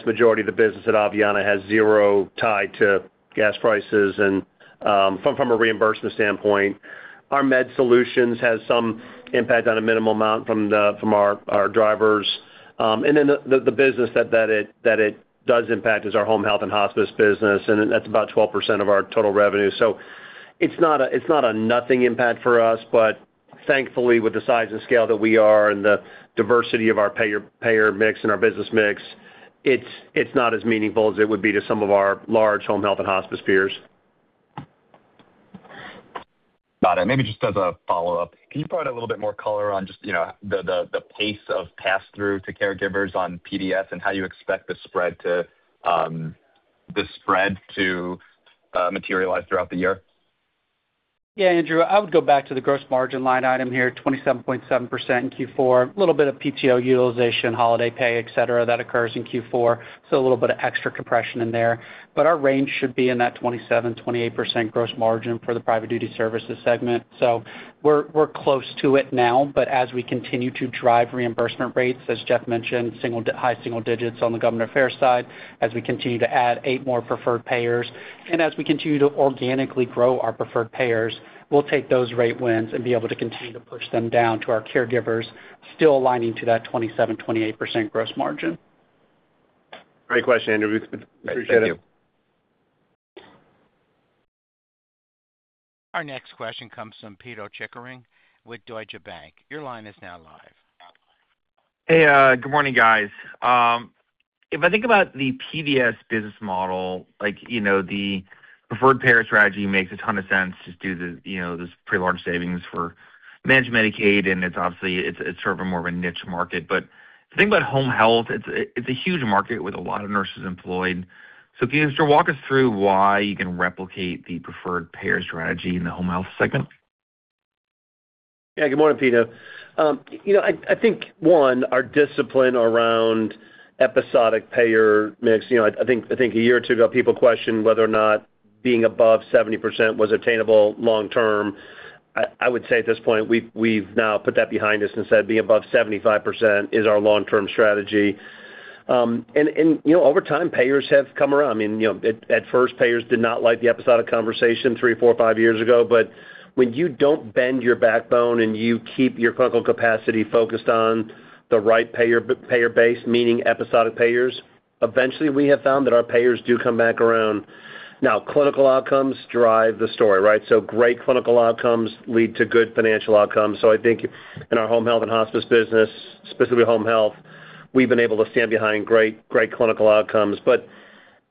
S3: majority of the business at Aveanna has zero tie to gas prices and from a reimbursement standpoint. Our Med Solutions has some impact on a minimal amount from our drivers. Then the business that it does impact is our Home Health and Hospice business, and that's about 12% of our total revenue. It's not a nothing impact for us, but thankfully, with the size and scale that we are and the diversity of our payer mix and our business mix, it's not as meaningful as it would be to some of our large Home Health and Hospice peers.
S11: Got it. Maybe just as a follow-up, can you provide a little bit more color on just, you know, the pace of pass-through to caregivers on PDS and how you expect the spread to materialize throughout the year?
S4: Yeah, Andrew, I would go back to the gross margin line item here, 27.7% in Q4. A little bit of PTO utilization, holiday pay, et cetera, that occurs in Q4, so a little bit of extra compression in there. But our range should be in that 27%-28% gross margin for the private duty services segment. We're close to it now, but as we continue to drive reimbursement rates, as Jeff mentioned, high single digits on the government affairs side, as we continue to add eight more preferred payers, and as we continue to organically grow our preferred payers, we'll take those rate wins and be able to continue to push them down to our caregivers, still aligning to that 27%-28% gross margin.
S3: Great question, Andrew Mok. We appreciate it. Thank you.
S1: Our next question comes from Pito Chickering with Deutsche Bank. Your line is now live.
S12: Hey, good morning, guys. If I think about the PDS business model, like, you know, the preferred payer strategy makes a ton of sense just due to the, you know, this pretty large savings for managed Medicaid, and it's obviously sort of a more of a niche market. The thing about home health, it's a huge market with a lot of nurses employed. Can you just walk us through why you can replicate the preferred payer strategy in the home health segment?
S3: Yeah. Good morning, Pito Chickering. You know, I think one, our discipline around episodic payer mix, you know, I think a year or two ago, people questioned whether or not being above 70% was attainable long term. I would say at this point, we've now put that behind us and said being above 75% is our long-term strategy. And you know, over time, payers have come around. I mean, you know, at first, payers did not like the episodic conversation three, four, five years ago. When you don't bend your backbone and you keep your clinical capacity focused on the right payer base, meaning episodic payers, eventually we have found that our payers do come back around. Now, clinical outcomes drive the story, right? Great clinical outcomes lead to good financial outcomes. I think in our home health and hospice business, specifically home health, we've been able to stand behind great clinical outcomes.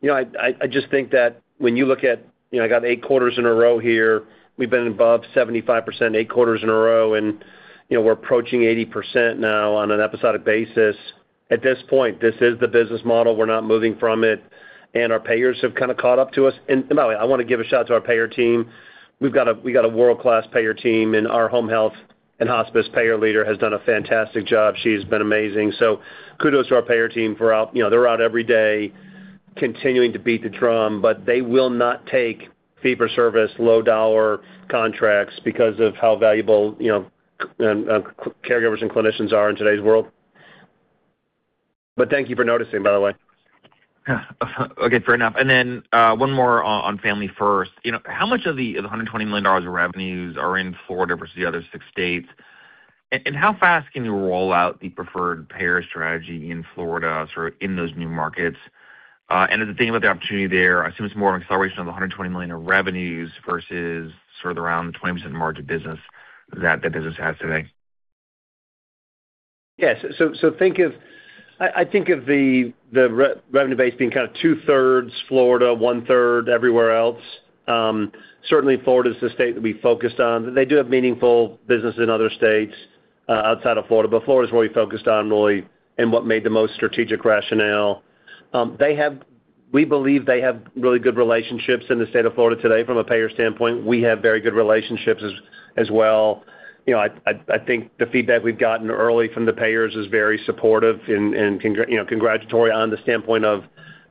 S3: You know, I just think that when you look at, you know, I got eight quarters in a row here, we've been above 75% eight quarters in a row, and, you know, we're approaching 80% now on an episodic basis. At this point, this is the business model. We're not moving from it, and our payers have kind of caught up to us. By the way, I wanna give a shout to our payer team. We've got a world-class payer team, and our home health and hospice payer leader has done a fantastic job. She's been amazing. Kudos to our payer team for, you know, they're out every day continuing to beat the drum, but they will not take fee for service, low dollar contracts because of how valuable, you know, caregivers and clinicians are in today's world. Thank you for noticing, by the way.
S12: Yeah. Okay, fair enough. One more on Family First. You know, how much of the $120 million of revenues are in Florida versus the other six states? How fast can you roll out the preferred payer strategy in Florida, sort of in those new markets? The thing about the opportunity there, I assume it's more of acceleration of the $120 million of revenues versus sort of around the 20% margin business that the business has today.
S3: Yes. Think of the revenue base being kind of two-thirds Florida, one-third everywhere else. Certainly Florida is the state that we focused on. They do have meaningful business in other states outside of Florida, but Florida is where we focused on really and what made the most strategic rationale. We believe they have really good relationships in the state of Florida today from a payer standpoint. We have very good relationships as well. You know, I think the feedback we've gotten early from the payers is very supportive and congratulatory on the standpoint of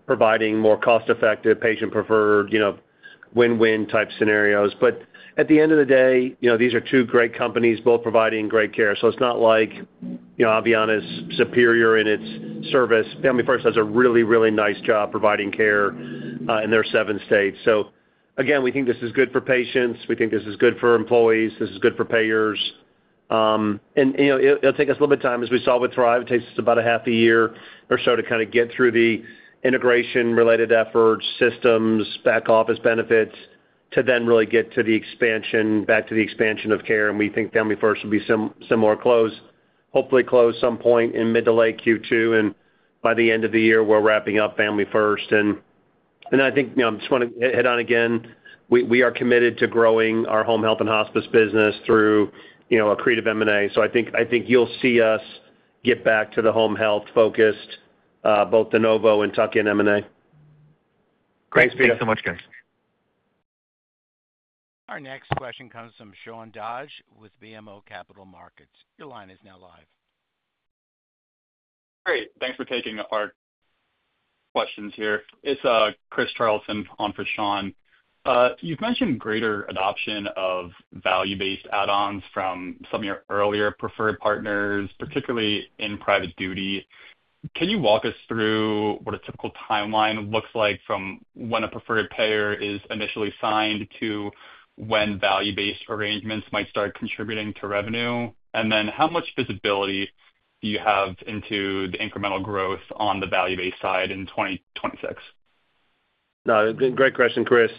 S3: providing more cost-effective, patient preferred, you know, win-win type scenarios. At the end of the day, you know, these are two great companies, both providing great care. It's not like, you know, Aveanna is superior in its service. Family First does a really, really nice job providing care in their seven states. Again, we think this is good for patients. We think this is good for employees, this is good for payers. And, you know, it'll take us a little bit of time as we saw with Thrive. It takes us about a half a year or so to kind of get through the integration related efforts, systems, back office benefits to then really get to the expansion, back to the expansion of care, and we think Family First will be similarly close. Hopefully, close at some point in mid to late Q2, and by the end of the year, we're wrapping up Family First. I think, you know, I just want to hit on again, we are committed to growing our home health and hospice business through, you know, accretive M&A. I think you'll see us get back to the home health focused, both de novo and tuck-in M&A. Thanks, Pito.
S12: Thanks so much, guys.
S1: Our next question comes from Sean Dodge with BMO Capital Markets. Your line is now live.
S13: Great. Thanks for taking our questions here. It's Chris Bohnert on for Sean. You've mentioned greater adoption of value-based add-ons from some of your earlier preferred partners, particularly in private duty. Can you walk us through what a typical timeline looks like from when a preferred payer is initially signed to when value-based arrangements might start contributing to revenue? And then how much visibility do you have into the incremental growth on the value-based side in 2026?
S3: No, great question, Chris.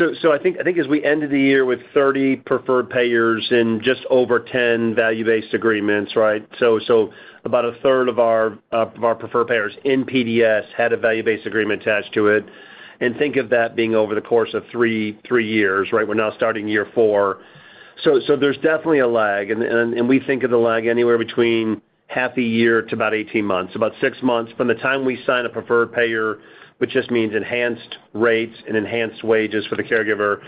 S3: I think as we ended the year with 30 preferred payers and just over 10 value-based agreements, right? About a third of our preferred payers in PDS had a value-based agreement attached to it. Think of that being over the course of three years, right? We're now starting year four. There's definitely a lag, and we think of the lag anywhere between half a year to about 18 months. About six months from the time we sign a preferred payer, which just means enhanced rates and enhanced wages for the caregiver,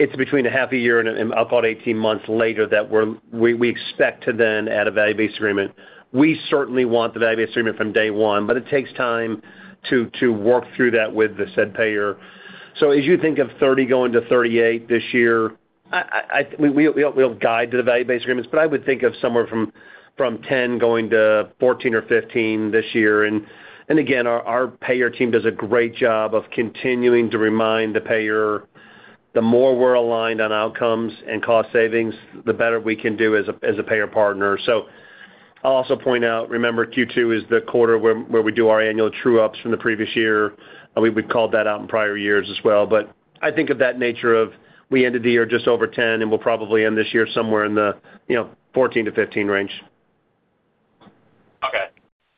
S3: it's between a half a year and up about 18 months later that we expect to then add a value-based agreement. We certainly want the value-based agreement from day one, but it takes time to work through that with the payer. As you think of 30 going to 38 this year, we don't guide to the value-based agreements, but I would think of somewhere from 10 going to 14 or 15 this year. Again, our payer team does a great job of continuing to remind the payer the more we're aligned on outcomes and cost savings, the better we can do as a payer partner. I'll also point out, remember Q2 is the quarter where we do our annual true ups from the previous year. We've called that out in prior years as well. I think of that nature of we ended the year just over 10, and we'll probably end this year somewhere in the, you know, 14-15 range.
S13: Okay,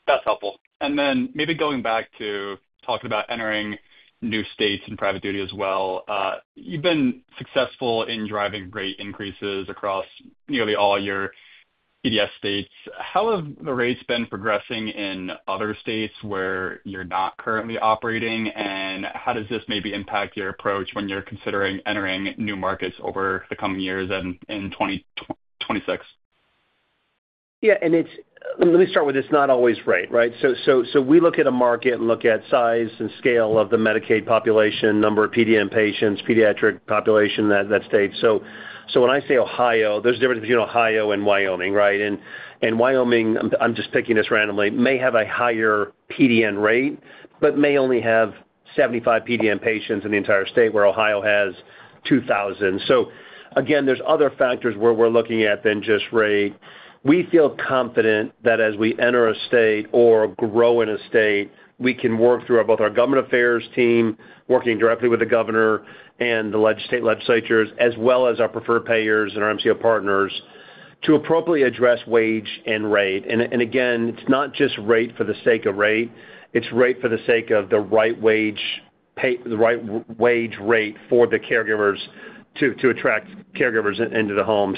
S13: that's helpful. Maybe going back to talking about entering new states in private duty as well. You've been successful in driving rate increases across nearly all your PDS states. How have the rates been progressing in other states where you're not currently operating, and how does this maybe impact your approach when you're considering entering new markets over the coming years and in 2026?
S3: It's not always rate, right? We look at a market and look at size and scale of the Medicaid population, number of PDN patients, pediatric population that state. When I say Ohio, there's a difference between Ohio and Wyoming, right? Wyoming, I'm just picking this randomly, may have a higher PDN rate, but may only have 75 PDN patients in the entire state where Ohio has 2,000. There's other factors where we're looking at than just rate. We feel confident that as we enter a state or grow in a state, we can work through both our government affairs team, working directly with the governor and the state legislatures, as well as our preferred payers and our MCO partners to appropriately address wage and rate. Again, it's not just rate for the sake of rate, it's rate for the sake of the right wage rate for the caregivers to attract caregivers into the home.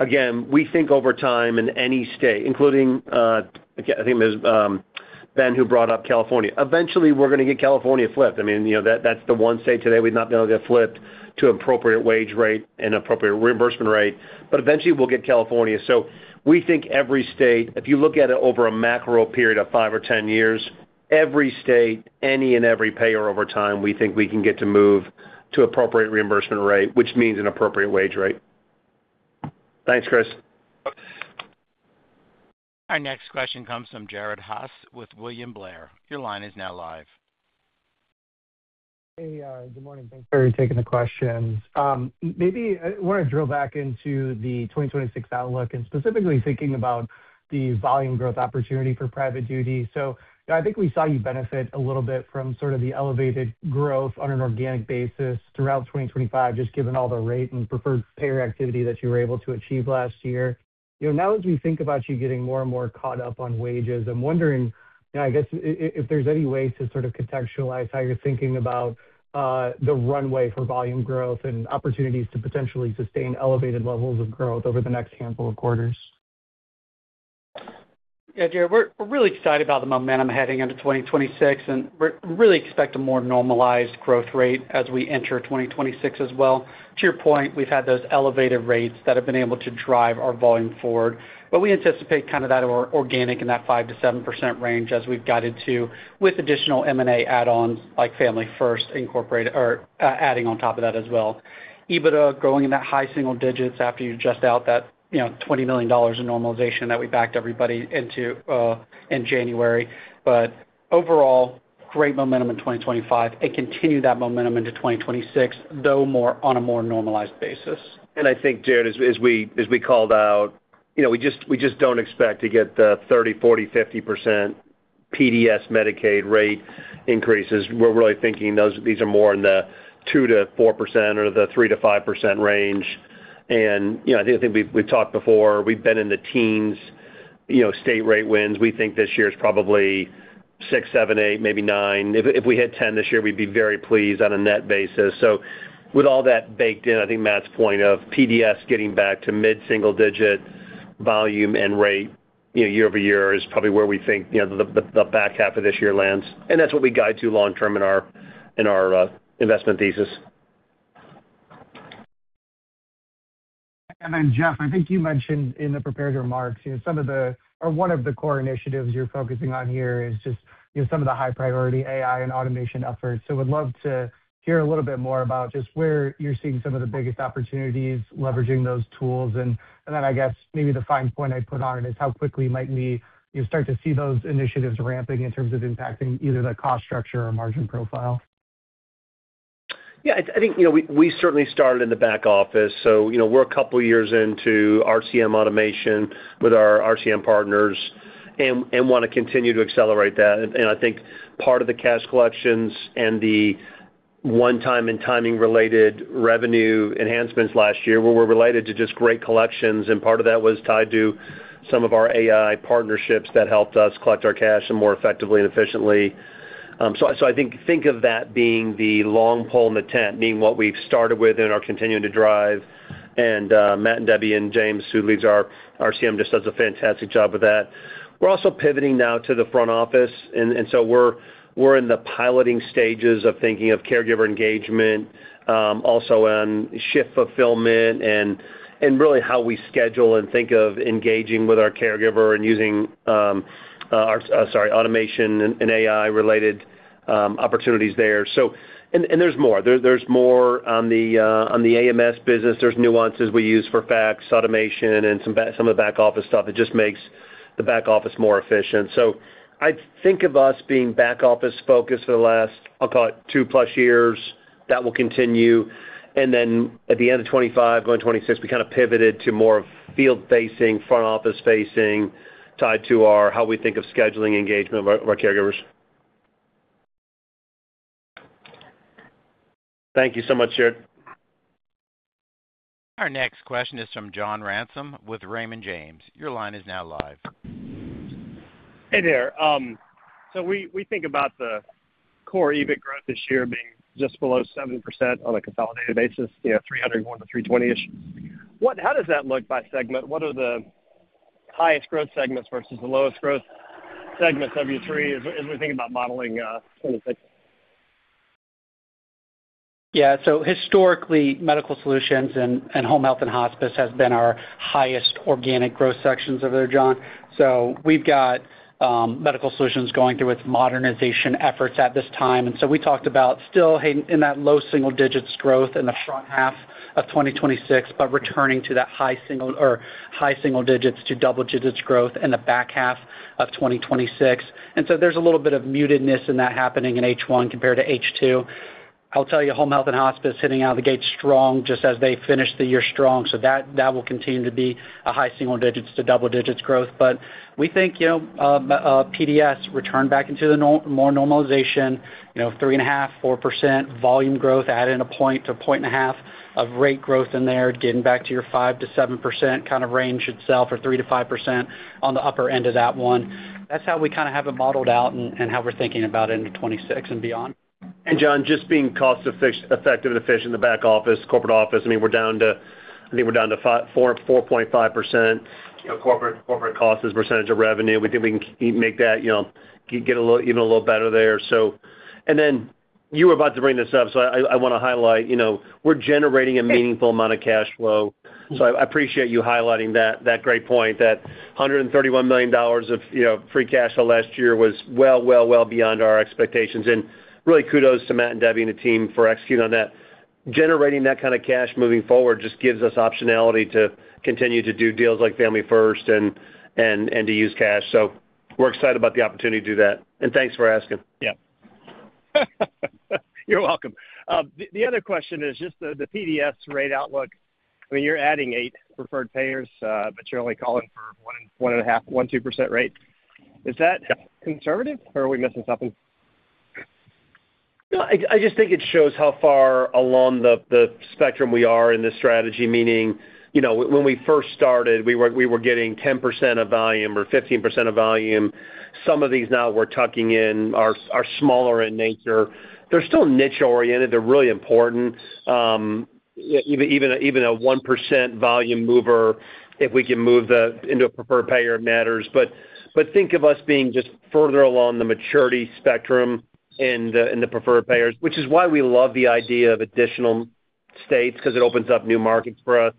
S3: Again, we think over time in any state, including, again, I think it was Ben who brought up California. Eventually, we're gonna get California flipped. I mean, you know, that's the one state today we've not been able to get flipped to appropriate wage rate and appropriate reimbursement rate, but eventually we'll get California. We think every state, if you look at it over a macro period of five or 10 years, every state, any and every payer over time, we think we can get to move to appropriate reimbursement rate, which means an appropriate wage rate. Thanks, Chris.
S1: Our next question comes from Jared Haase with William Blair. Your line is now live.
S14: Hey, good morning. Thanks for taking the questions. Maybe I want to drill back into the 2026 outlook and specifically thinking about the volume growth opportunity for private duty. I think we saw you benefit a little bit from sort of the elevated growth on an organic basis throughout 2025, just given all the rate and preferred payer activity that you were able to achieve last year. You know, now as we think about you getting more and more caught up on wages, I'm wondering, you know, I guess if there's any way to sort of contextualize how you're thinking about the runway for volume growth and opportunities to potentially sustain elevated levels of growth over the next handful of quarters.
S4: Yeah, Jared, we're really excited about the momentum heading into 2026, and we really expect a more normalized growth rate as we enter 2026 as well. To your point, we've had those elevated rates that have been able to drive our volume forward, but we anticipate kind of that organic in that 5%-7% range as we've guided to with additional M&A add-ons like Family First Homecare or adding on top of that as well. EBITDA growing in that high single digits% after you adjust out that, you know, $20 million in normalization that we backed everybody into in January. Overall, great momentum in 2025 and continue that momentum into 2026, though more on a more normalized basis.
S3: I think, Jared, as we called out, you know, we just don't expect to get the 30%, 40%, 50% PDS Medicaid rate increases. We're really thinking these are more in the 2%-4% or the 3%-5% range. You know, I think we've talked before. We've been in the teens, you know, state rate wins. We think this year is probably 6, 7, 8, maybe 9. If we hit 10 this year, we'd be very pleased on a net basis. With all that baked in, I think Matt's point of PDS getting back to mid-single digit volume and rate, you know, year-over-year is probably where we think, you know, the back half of this year lands. That's what we guide to long term in our investment thesis.
S14: Then, Jeff, I think you mentioned in the prepared remarks, you know, some of the or one of the core initiatives you're focusing on here is just, you know, some of the high priority AI and automation efforts. Would love to hear a little bit more about just where you're seeing some of the biggest opportunities leveraging those tools. And then I guess maybe the fine point I'd put on it is how quickly might we, you know, start to see those initiatives ramping in terms of impacting either the cost structure or margin profile?
S3: Yeah, I think, you know, we certainly started in the back office. You know, we're a couple of years into RCM automation with our RCM partners and wanna continue to accelerate that. I think part of the cash collections and the one-time and timing related revenue enhancements last year were related to just great collections, and part of that was tied to some of our AI partnerships that helped us collect our cash more effectively and efficiently. So I think of that being the long pole in the tent, meaning what we've started with and are continuing to drive. Matt and Debbie and James, who leads our RCM, just does a fantastic job with that. We're also pivoting now to the front office, so we're in the piloting stages of thinking of caregiver engagement, also on shift fulfillment and really how we schedule and think of engaging with our caregiver and using automation and AI related opportunities there. There's more on the AMS business. There's nuances we use for fax automation and some of the back office stuff that just makes the back office more efficient. I'd think of us being back office focused for the last, I'll call it two plus years. That will continue. Then at the end of 2025, going 2026, we kind of pivoted to more of field facing, front office facing, tied to our how we think of scheduling engagement of our caregivers.
S14: Thank you so much, Jeff.
S1: Our next question is from John Ransom with Raymond James. Your line is now live.
S15: Hey there. So we think about the core EBIT growth this year being just below 7% on a consolidated basis, you know, $301-$320-ish. How does that look by segment? What are the highest growth segments versus the lowest growth segments for Q3 as we think about modeling 2026?
S3: Historically, Medical Solutions and home health and hospice has been our highest organic growth sections over there, John. We've got Medical Solutions going through its modernization efforts at this time. We talked about still hanging in that low single digits growth in the front half of 2026, but returning to that high single digits to double digits growth in the back half of 2026. There's a little bit of mutedness in that happening in H1 compared to H2. I'll tell you, home health and hospice hitting out of the gate strong just as they finish the year strong. That will continue to be a high single digits to double digits growth. We think, you know, PDS return back into the normal or more normalization, you know, 3.5%, 4% volume growth, add in a point to a point and a half of rate growth in there, getting back to your 5%-7% kind of range itself, or 3%-5% on the upper end of that one. That's how we kinda have it modeled out and how we're thinking about into 2026 and beyond. John, just being cost effective efficient in the back office, corporate office, I mean, we're down to, I think we're down to four, 4.5%, you know, corporate cost as a percentage of revenue. We think we can make that, you know, get a little, even a little better there. Then you were about to bring this up, so I wanna highlight, you know, we're generating a meaningful amount of cash flow. I appreciate you highlighting that great point, that $131 million of, you know, free cash flow last year was well beyond our expectations. Really kudos to Matt and Debbie and the team for executing on that. Generating that kind of cash moving forward just gives us optionality to continue to do deals like Family First and to use cash. We're excited about the opportunity to do that. Thanks for asking.
S15: Yeah. You're welcome. The other question is just the PDS rate outlook. I mean, you're adding eight preferred payers, but you're only calling for 1.5, 1%-2% rate. Is that conservative, or are we missing something?
S3: No, I just think it shows how far along the spectrum we are in this strategy. Meaning, you know, when we first started, we were getting 10% of volume or 15% of volume. Some of these now we're tucking in are smaller in nature. They're still niche oriented. They're really important. Even a 1% volume mover, if we can move them into a preferred payer, matters. But think of us being just further along the maturity spectrum in the preferred payers, which is why we love the idea of additional states 'cause it opens up new markets for us.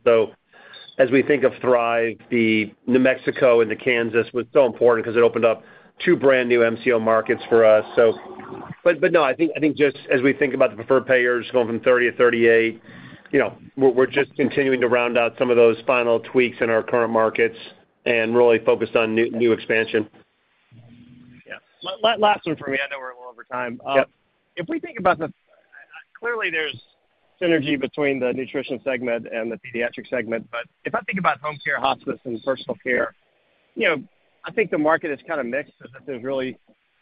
S3: As we think of Thrive, the New Mexico and the Kansas was so important 'cause it opened up two brand new MCO markets for us. No, I think just as we think about the preferred payers going from 30-38, you know, we're just continuing to round out some of those final tweaks in our current markets and really focused on new expansion.
S15: Yeah. Last one for me. I know we're a little over time.
S3: Yep.
S15: Clearly there's synergy between the nutrition segment and the pediatric segment. If I think about home care, hospice, and personal care, you know, I think the market is kinda mixed so that there's really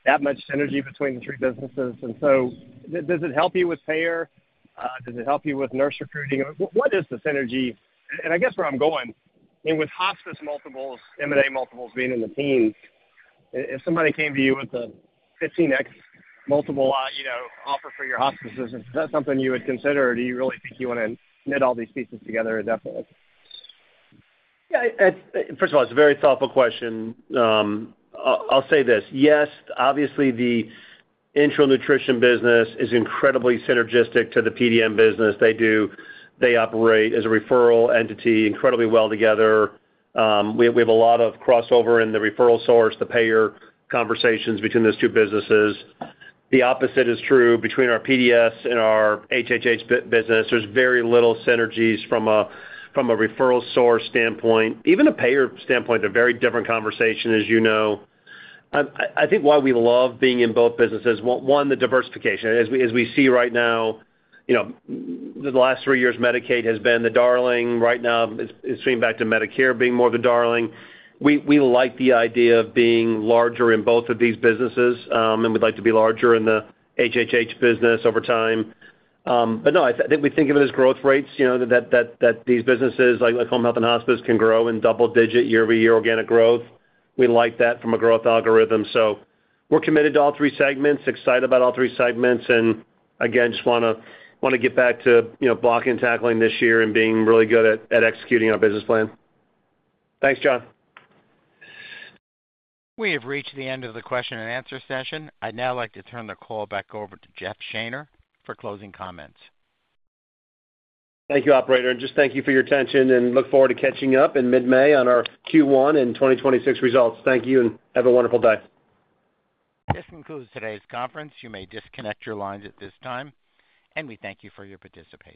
S15: that much synergy between the three businesses. Does it help you with payer? Does it help you with nurse recruiting? What is the synergy? And I guess where I'm going, and with hospice multiples, M&A multiples being in the teens, if somebody came to you with a 15x multiple, offer for your hospices, is that something you would consider or do you really think you wanna knit all these pieces together indefinitely?
S3: Yeah, First of all, it's a very thoughtful question. I'll say this, yes, obviously the enteral nutrition business is incredibly synergistic to the PDS business. They operate as a referral entity incredibly well together. We have a lot of crossover in the referral source, the payer conversations between those two businesses. The opposite is true between our PDS and our HHH business. There's very little synergies from a referral source standpoint. Even a payer standpoint, they're very different conversation, as you know. I think why we love being in both businesses, one, the diversification. As we see right now, you know, the last three years, Medicaid has been the darling. Right now, it's swinging back to Medicare being more of a darling. We like the idea of being larger in both of these businesses, and we'd like to be larger in the HHH business over time. But no, we think of it as growth rates, you know, that these businesses, like Home Health and Hospice, can grow in double-digit year-over-year organic growth. We like that from a growth algorithm. We're committed to all three segments, excited about all three segments. Again, just wanna get back to, you know, blocking and tackling this year and being really good at executing our business plan. Thanks, John.
S1: We have reached the end of the question and answer session. I'd now like to turn the call back over to Jeff Shaner for closing comments.
S3: Thank you, operator. Just thank you for your attention and look forward to catching up in mid-May on our Q1 and 2026 results. Thank you and have a wonderful day.
S1: This concludes today's conference. You may disconnect your lines at this time, and we thank you for your participation.